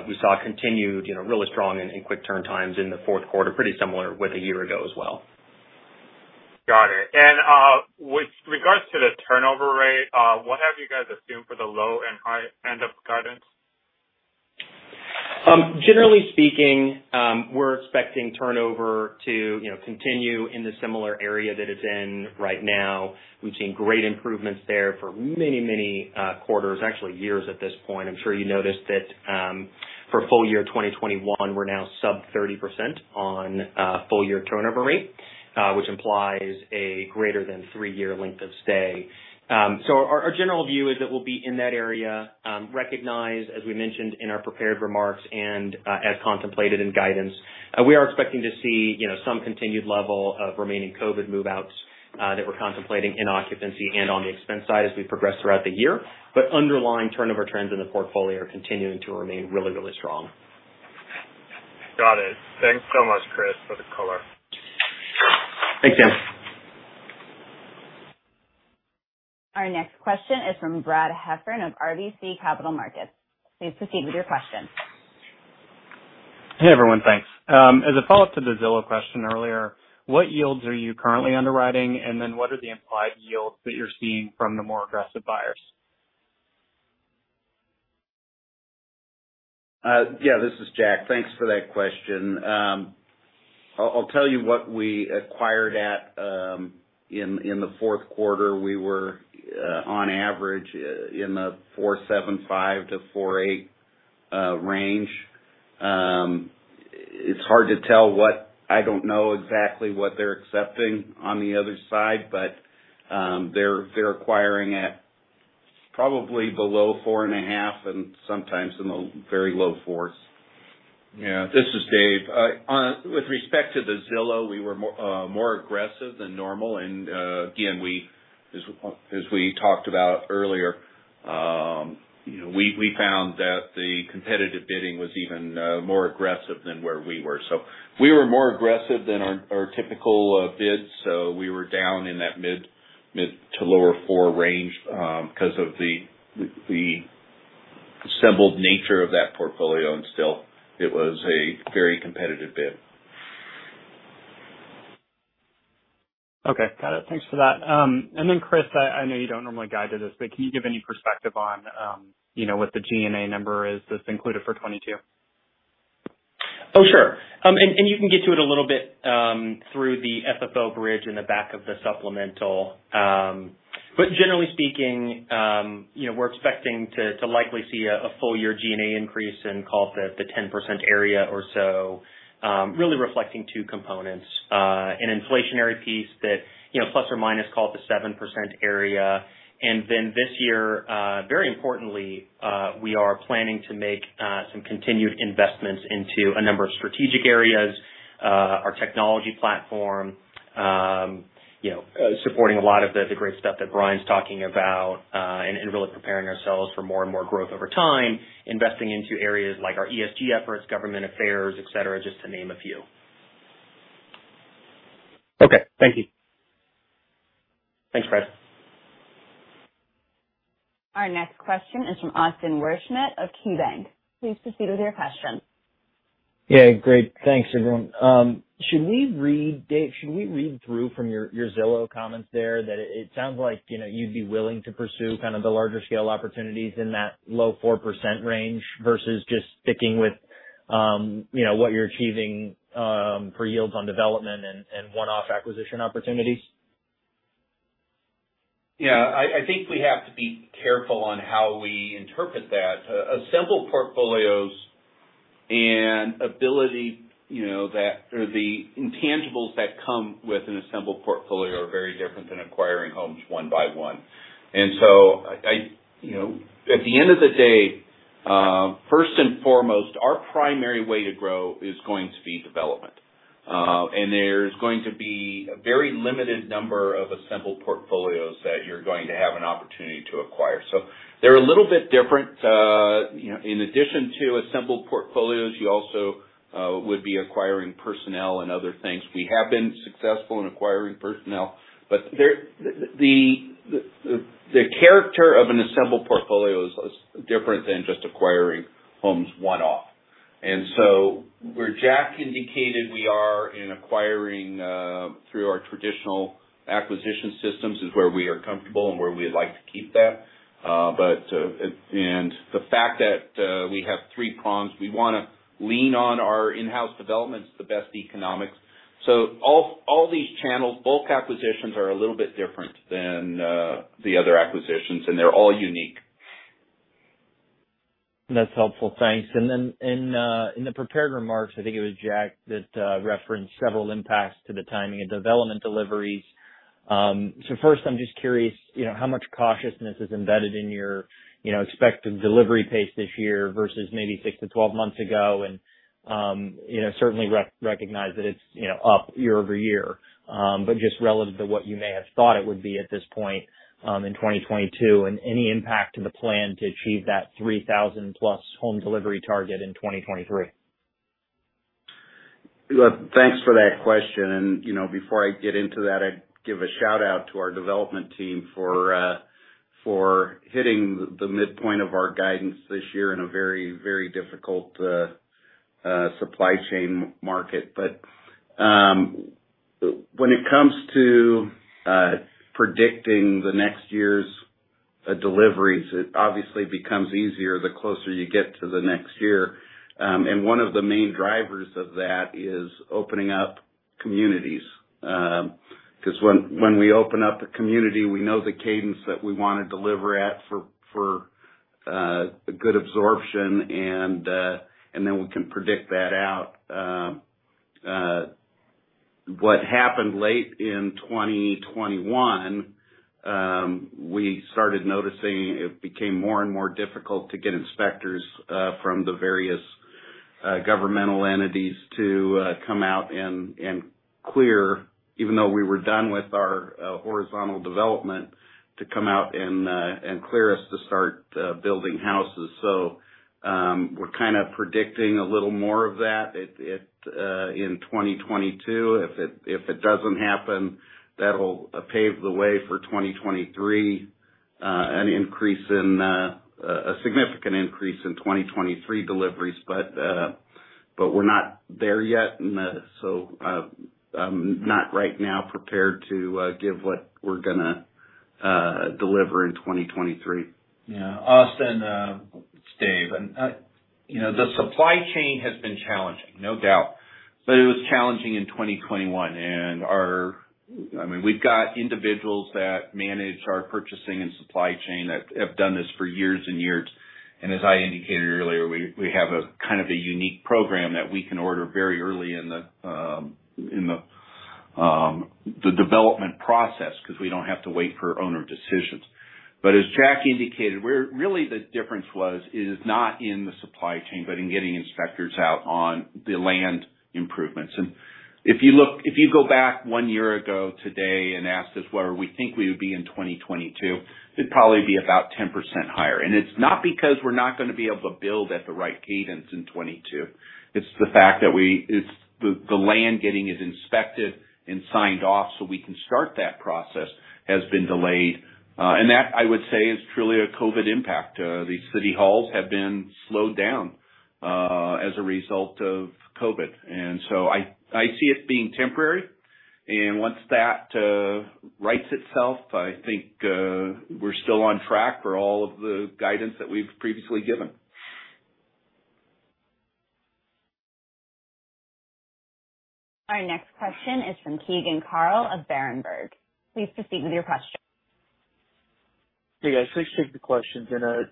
we saw continued, you know, really strong and quick turn times in the fourth quarter, pretty similar with a year ago as well. Got it. With regards to the turnover rate, what have you guys assumed for the low and high end of guidance? Generally speaking, we're expecting turnover to, you know, continue in the similar area that it's in right now. We've seen great improvements there for many quarters, actually years at this point. I'm sure you noticed that, for full year 2021, we're now sub 30% on full year turnover rate, which implies a greater than three-year length of stay. So our general view is that we'll be in that area, recognize, as we mentioned in our prepared remarks and, as contemplated in guidance. We are expecting to see, you know, some continued level of remaining COVID move-outs, that we're contemplating in occupancy and on the expense side as we progress throughout the year. Underlying turnover trends in the portfolio are continuing to remain really strong. Got it. Thanks so much, Chris, for the color. Thanks, Sam. Our next question is from Brad Heffern of RBC Capital Markets. Please proceed with your question. Hey, everyone. Thanks. As a follow-up to the Zillow question earlier, what yields are you currently underwriting? What are the implied yields that you're seeing from the more aggressive buyers? Yeah, this is Jack. Thanks for that question. I'll tell you what we acquired at in the fourth quarter. We were on average in the 4.75%-4.8% range. It's hard to tell what I don't know exactly what they're accepting on the other side, but they're acquiring at probably below 4.5% and sometimes in the very low 4s. Yeah. This is David. On with respect to Zillow, we were more aggressive than normal, and again, as we talked about earlier, you know, we found that the competitive bidding was even more aggressive than where we were. We were more aggressive than our typical bid. We were down in that mid- to low-4 range, because of the assembled nature of that portfolio, and still, it was a very competitive bid. Okay. Got it. Thanks for that. Chris, I know you don't normally guide to this, but can you give any perspective on, you know, what the G&A number is that's included for 2022? Oh, sure. You can get to it a little bit through the FFO bridge in the back of the supplemental. Generally speaking, you know, we're expecting to likely see a full year G&A increase and call it the 10% area or so, really reflecting two components. An inflationary piece that, you know, ±7% area. Then this year, very importantly, we are planning to make some continued investments into a number of strategic areas, our technology platform, you know, supporting a lot of the great stuff that Bryan's talking about, and really preparing ourselves for more and more growth over time, investing into areas like our ESG efforts, government affairs, et cetera, just to name a few. Okay. Thank you. Thanks, Brad. Our next question is from Austin Wurschmidt of KeyBanc. Please proceed with your question. Yeah. Great. Thanks, everyone. Should we read through from your Zillow comments there that it sounds like, you know, you'd be willing to pursue kind of the larger scale opportunities in that low 4% range versus just sticking with, you know, what you're achieving for yields on development and one-off acquisition opportunities? Yeah. I think we have to be careful on how we interpret that. Assembled portfolios and ability, you know, that or the intangibles that come with an assembled portfolio are very different than acquiring homes one by one. I, you know, at the end of the day, first and foremost, our primary way to grow is going to be development. There's going to be a very limited number of assembled portfolios that you're going to have an opportunity to acquire. They're a little bit different. You know, in addition to assembled portfolios, you also would be acquiring personnel and other things. We have been successful in acquiring personnel, but the character of an assembled portfolio is different than just acquiring homes one-off. Where Jack indicated we are acquiring through our traditional acquisition systems is where we are comfortable and where we'd like to keep that. The fact that we have three prongs, we wanna lean on our in-house developments, the best economics. All these channels, bulk acquisitions are a little bit different than the other acquisitions, and they're all unique. That's helpful. Thanks. Then in the prepared remarks, I think it was Jack that referenced several impacts to the timing of development deliveries. So first, I'm just curious, you know, how much cautiousness is embedded in your, you know, expected delivery pace this year versus maybe 6-12 months ago? And you know, certainly I recognize that it's, you know, up year-over-year. But just relative to what you may have thought it would be at this point, in 2022, and any impact to the plan to achieve that 3,000+ home delivery target in 2023. Look, thanks for that question. You know, before I get into that, I'd give a shout-out to our development team for hitting the midpoint of our guidance this year in a very difficult supply chain market. When it comes to predicting the next year's deliveries, it obviously becomes easier the closer you get to the next year. One of the main drivers of that is opening up communities. 'Cause when we open up a community, we know the cadence that we wanna deliver at for good absorption, and then we can predict that out. What happened late in 2021, we started noticing it became more and more difficult to get inspectors from the various governmental entities to come out and clear, even though we were done with our horizontal development, to come out and clear us to start building houses. We're kind of predicting a little more of that in 2022. If it doesn't happen, that'll pave the way for a significant increase in 2023 deliveries, but we're not there yet. I'm not right now prepared to give what we're gonna deliver in 2023. Yeah. Austin, it's David. You know, the supply chain has been challenging, no doubt. It was challenging in 2021. I mean, we've got individuals that manage our purchasing and supply chain that have done this for years and years. As I indicated earlier, we have a kind of a unique program that we can order very early in the development process 'cause we don't have to wait for owner decisions. As Jack indicated, where really the difference was is not in the supply chain, but in getting inspectors out on the land improvements. If you go back one year ago today and asked us where we think we would be in 2022, it'd probably be about 10% higher. It's not because we're not gonna be able to build at the right cadence in 2022. It's the fact that the land getting inspected and signed off, so we can start that process has been delayed. That, I would say, is truly a COVID impact. These city halls have been slowed down as a result of COVID. I see it being temporary. Once that rights itself, I think, we're still on track for all of the guidance that we've previously given. Our next question is from Keegan Carl of Berenberg. Please proceed with your question. Hey, guys. Thanks for taking the questions.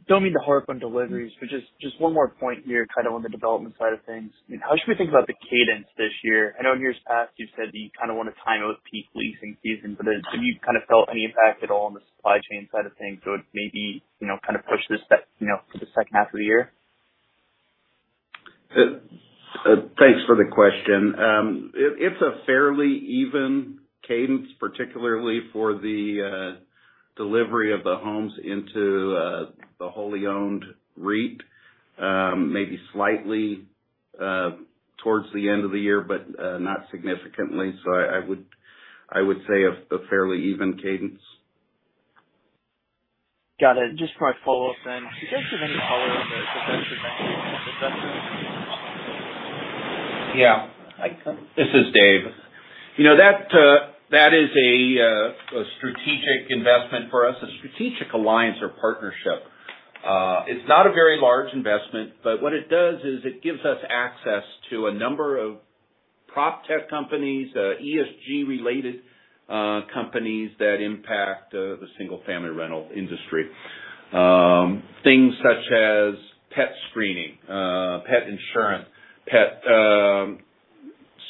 Don't mean to harp on deliveries, but just one more point here, kind of on the development side of things. How should we think about the cadence this year? I know in years past you've said that you kind of want to time with peak leasing season, but have you kind of felt any impact at all on the supply chain side of things that would maybe, you know, kind of push this back, you know, to the second half of the year? Thanks for the question. It's a fairly even cadence, particularly for the delivery of the homes into the wholly owned REIT, maybe slightly towards the end of the year, but not significantly. I would say a fairly even cadence. Got it. Just my follow-up then. Could you guys give any color on the investment? This is David. You know, that is a strategic investment for us, a strategic alliance or partnership. It's not a very large investment, but what it does is it gives us access to a number of proptech companies, ESG related companies that impact the single family rental industry. Things such as pet screening, pet insurance,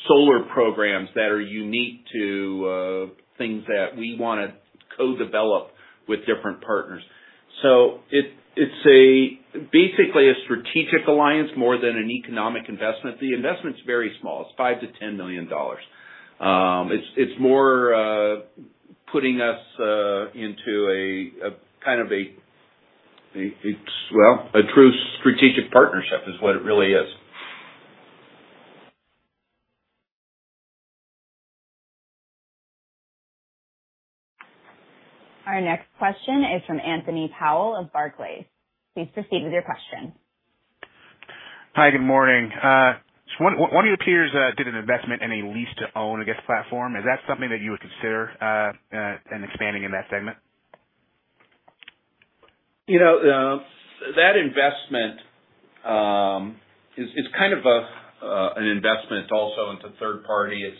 solar programs that are unique to things that we wanna co-develop with different partners. It's basically a strategic alliance more than an economic investment. The investment's very small. It's $5 million-$10 million. It's more putting us into a kind of a true strategic partnership is what it really is. Our next question is from Anthony Powell of Barclays. Please proceed with your question. Hi, good morning. One of your peers did an investment in a lease-to-own, I guess, platform. Is that something that you would consider in expanding in that segment? You know, that investment is kind of an investment also into third party.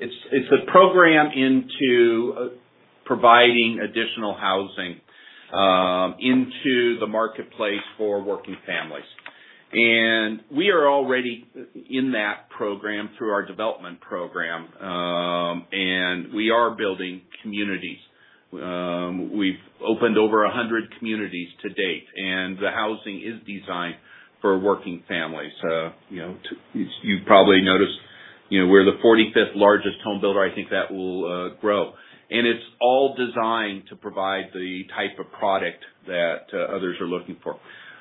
It's a program into providing additional housing into the marketplace for working families. We are already in that program through our development program. We are building communities. We've opened over 100 communities to date, and the housing is designed for working families. You know, you've probably noticed, you know, we're the 45th largest home builder. I think that will grow. It's all designed to provide the type of product that others are looking for.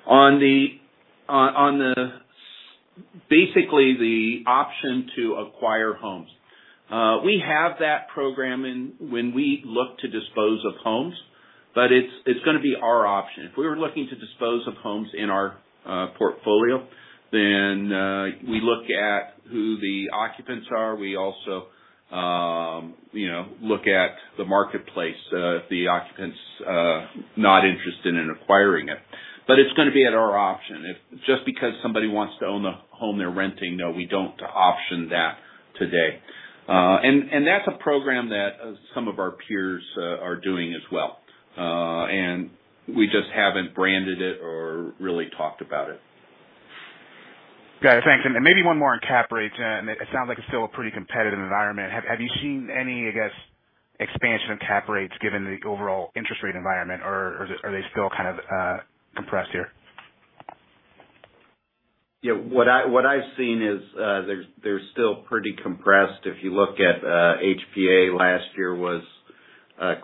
On the basically the option to acquire homes, we have that program in place when we look to dispose of homes. It's gonna be our option. If we were looking to dispose of homes in our portfolio, then we look at who the occupants are. We also, you know, look at the marketplace if the occupant's not interested in acquiring it. It's gonna be at our option. It's just because somebody wants to own the home they're renting, no, we don't option that today. And that's a program that some of our peers are doing as well. We just haven't branded it or really talked about it. Got it. Thanks. Then maybe one more on cap rates. It sounds like it's still a pretty competitive environment. Have you seen any, I guess, expansion in cap rates given the overall interest rate environment, or are they still kind of compressed here? Yeah. What I've seen is, they're still pretty compressed. If you look at HPA last year was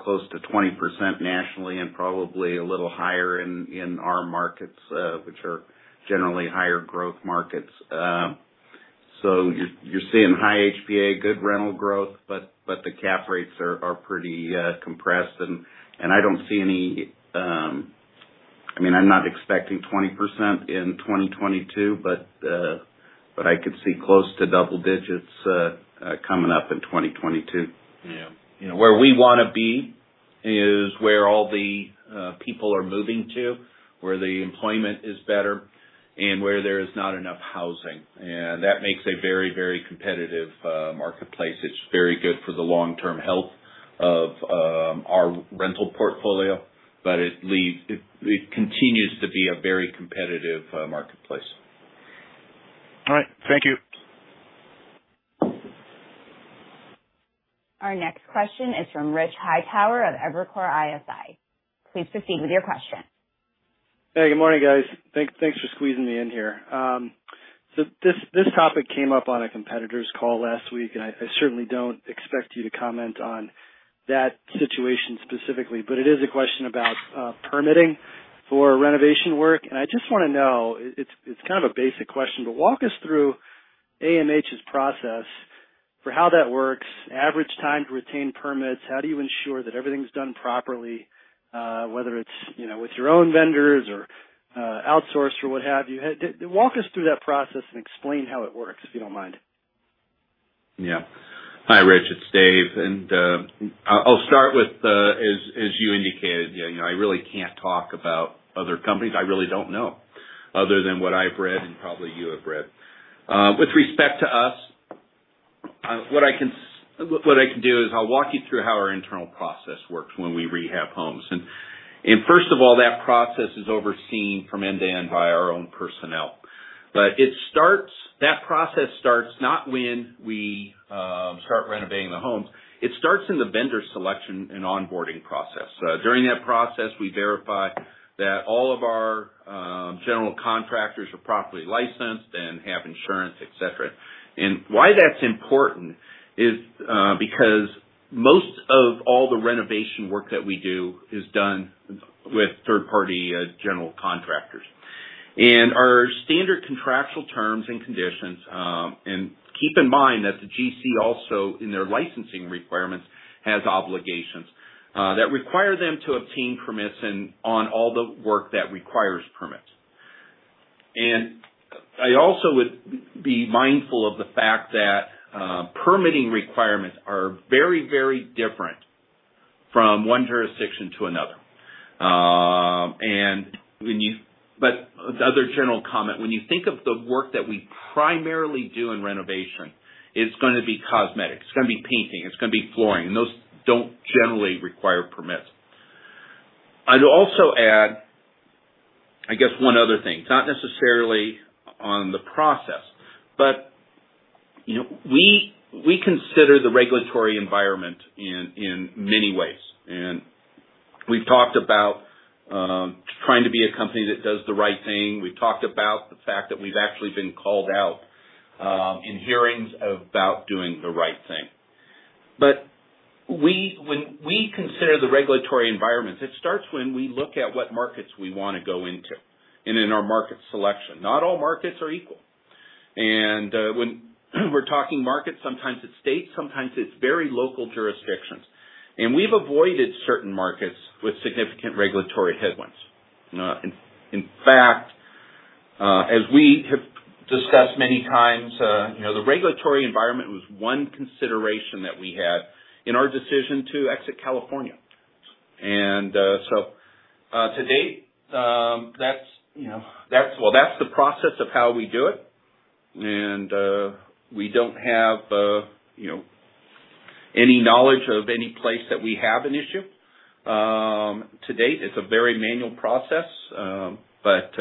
close to 20% nationally and probably a little higher in our markets, which are generally higher growth markets. You're seeing high HPA, good rental growth, but the cap rates are pretty compressed. I don't see any. I mean, I'm not expecting 20% in 2022, but I could see close to double digits coming up in 2022. Yeah. You know, where we wanna be is where all the people are moving to, where the employment is better, and where there is not enough housing. That makes a very, very competitive marketplace. It's very good for the long-term health of our rental portfolio, but it continues to be a very competitive marketplace. All right. Thank you. Our next question is from Rich Hightower of Evercore ISI. Please proceed with your question. Hey, good morning, guys. Thanks for squeezing me in here. So this topic came up on a competitor's call last week, and I certainly don't expect you to comment on that situation specifically, but it is a question about permitting for renovation work. I just wanna know, it's kind of a basic question, but walk us through AMH's process for how that works, average time to retain permits. How do you ensure that everything's done properly, whether it's, you know, with your own vendors or outsourced or what have you? Walk us through that process and explain how it works, if you don't mind. Yeah. Hi, Rich. It's David. I'll start with, as you indicated, you know, I really can't talk about other companies. I really don't know other than what I've read and probably you have read. With respect to us, what I can do is I'll walk you through how our internal process works when we rehab homes. First of all, that process is overseen from end to end by our own personnel. That process starts not when we start renovating the homes. It starts in the vendor selection and onboarding process. During that process, we verify that all of our general contractors are properly licensed and have insurance, et cetera. Why that's important is because most of all the renovation work that we do is done with third-party general contractors. Our standard contractual terms and conditions, and keep in mind that the GC also in their licensing requirements, has obligations that require them to obtain permits and on all the work that requires permits. I also would be mindful of the fact that permitting requirements are very, very different from one jurisdiction to another. The other general comment, when you think of the work that we primarily do in renovation, it's gonna be cosmetic, it's gonna be painting, it's gonna be flooring, and those don't generally require permits. I'd also add, I guess one other thing, it's not necessarily on the process, but you know, we consider the regulatory environment in many ways. We've talked about trying to be a company that does the right thing. We've talked about the fact that we've actually been called out in hearings about doing the right thing. When we consider the regulatory environments, it starts when we look at what markets we wanna go into and in our market selection. Not all markets are equal. When we're talking markets, sometimes it's states, sometimes it's very local jurisdictions. We've avoided certain markets with significant regulatory headwinds. In fact, as we have discussed many times, you know, the regulatory environment was one consideration that we had in our decision to exit California. To date, that's you know well the process of how we do it. We don't have, you know, any knowledge of any place that we have an issue to date. It's a very manual process, but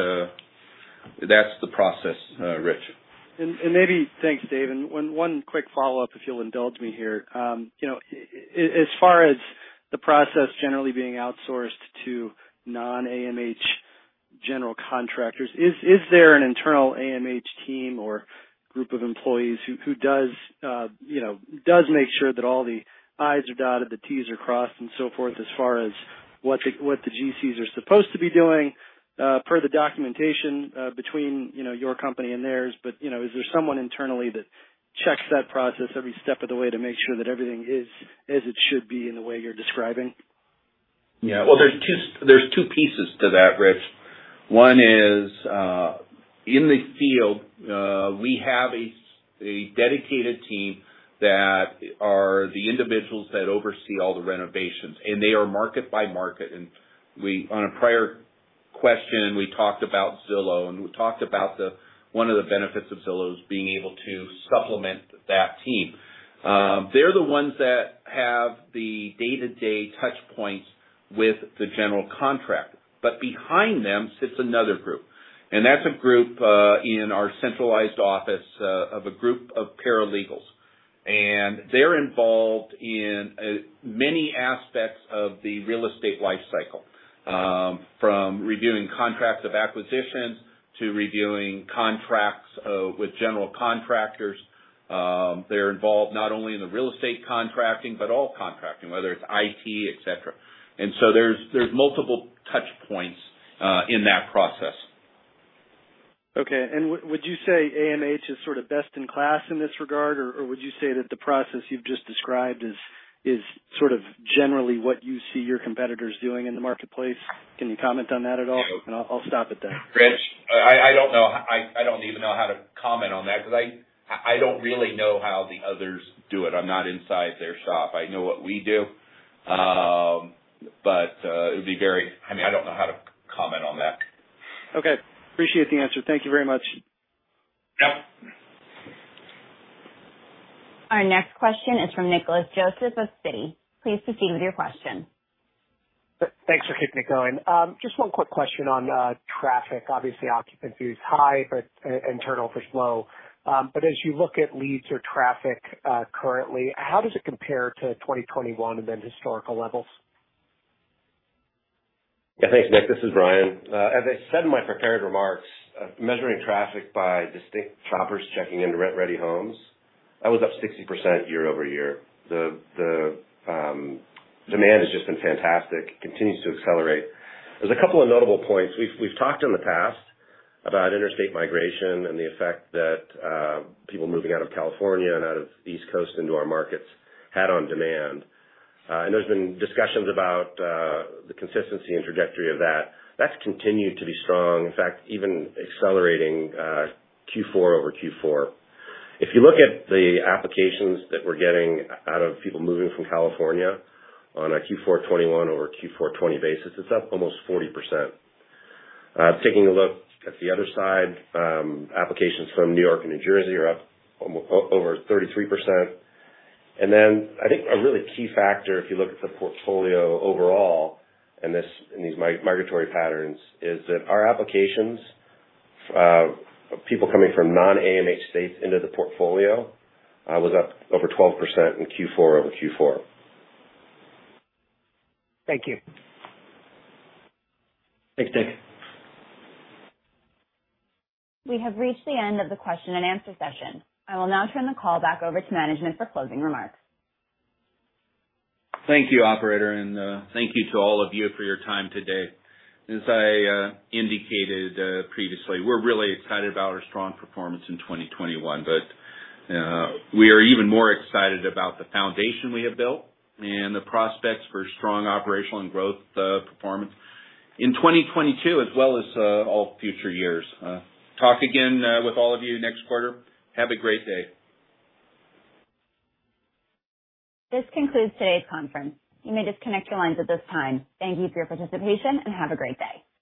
that's the process, Rich. Thanks, David. One quick follow-up, if you'll indulge me here. You know, as far as the process generally being outsourced to non-AMH general contractors, is there an internal AMH team or group of employees who does make sure that all the I's are dotted, the T's are crossed, and so forth as far as what the GCs are supposed to be doing? Per the documentation between your company and theirs, you know, is there someone internally that checks that process every step of the way to make sure that everything is as it should be in the way you're describing? Yeah. Well, there's two pieces to that, Rich. One is in the field, we have a dedicated team that are the individuals that oversee all the renovations, and they are market by market. On a prior question, we talked about Zillow, and one of the benefits of Zillow is being able to supplement that team. They're the ones that have the day-to-day touch points with the general contractor. Behind them sits another group, and that's a group in our centralized office of a group of paralegals. They're involved in many aspects of the real estate life cycle, from reviewing contracts of acquisition to reviewing contracts with general contractors. They're involved not only in the real estate contracting but all contracting, whether it's IT, et cetera. There's multiple touch points in that process. Okay. Would you say AMH is sort of best in class in this regard, or would you say that the process you've just described is sort of generally what you see your competitors doing in the marketplace? Can you comment on that at all? No. I'll stop it there. Rich, I don't know. I don't even know how to comment on that because I don't really know how the others do it. I'm not inside their shop. I know what we do. But it would be very. I mean, I don't know how to comment on that. Okay. Appreciate the answer. Thank you very much. Yep. Our next question is from Nicholas Joseph of Citi. Please proceed with your question. Thanks for keeping it going. Just one quick question on traffic. Obviously, occupancy is high, but as you look at leads or traffic, currently, how does it compare to 2021 and then historical levels? Yeah. Thanks, Nick. This is Ryan. As I said in my prepared remarks, measuring traffic by distinct shoppers checking into rent-ready homes, that was up 60% year-over-year. The demand has just been fantastic, continues to accelerate. There's a couple of notable points. We've talked in the past about interstate migration and the effect that people moving out of California and out of East Coast into our markets had on demand. There's been discussions about the consistency and trajectory of that. That's continued to be strong, in fact, even accelerating, Q4-over-Q4. If you look at the applications that we're getting out of people moving from California on a Q4 2021-over-Q4 2020 basis, it's up almost 40%. Taking a look at the other side, applications from New York and New Jersey are up over 33%. Then I think a really key factor if you look at the portfolio overall and this, and these migratory patterns, is that our applications of people coming from non-AMH states into the portfolio was up over 12% in Q4 over Q4. Thank you. Thanks, Nick. We have reached the end of the question and answer session. I will now turn the call back over to management for closing remarks. Thank you, operator, and thank you to all of you for your time today. As I indicated previously, we're really excited about our strong performance in 2021. We are even more excited about the foundation we have built and the prospects for strong operational and growth performance in 2022 as well as all future years. We'll talk again with all of you next quarter. Have a great day. This concludes today's conference. You may disconnect your lines at this time. Thank you for your participation, and have a great day.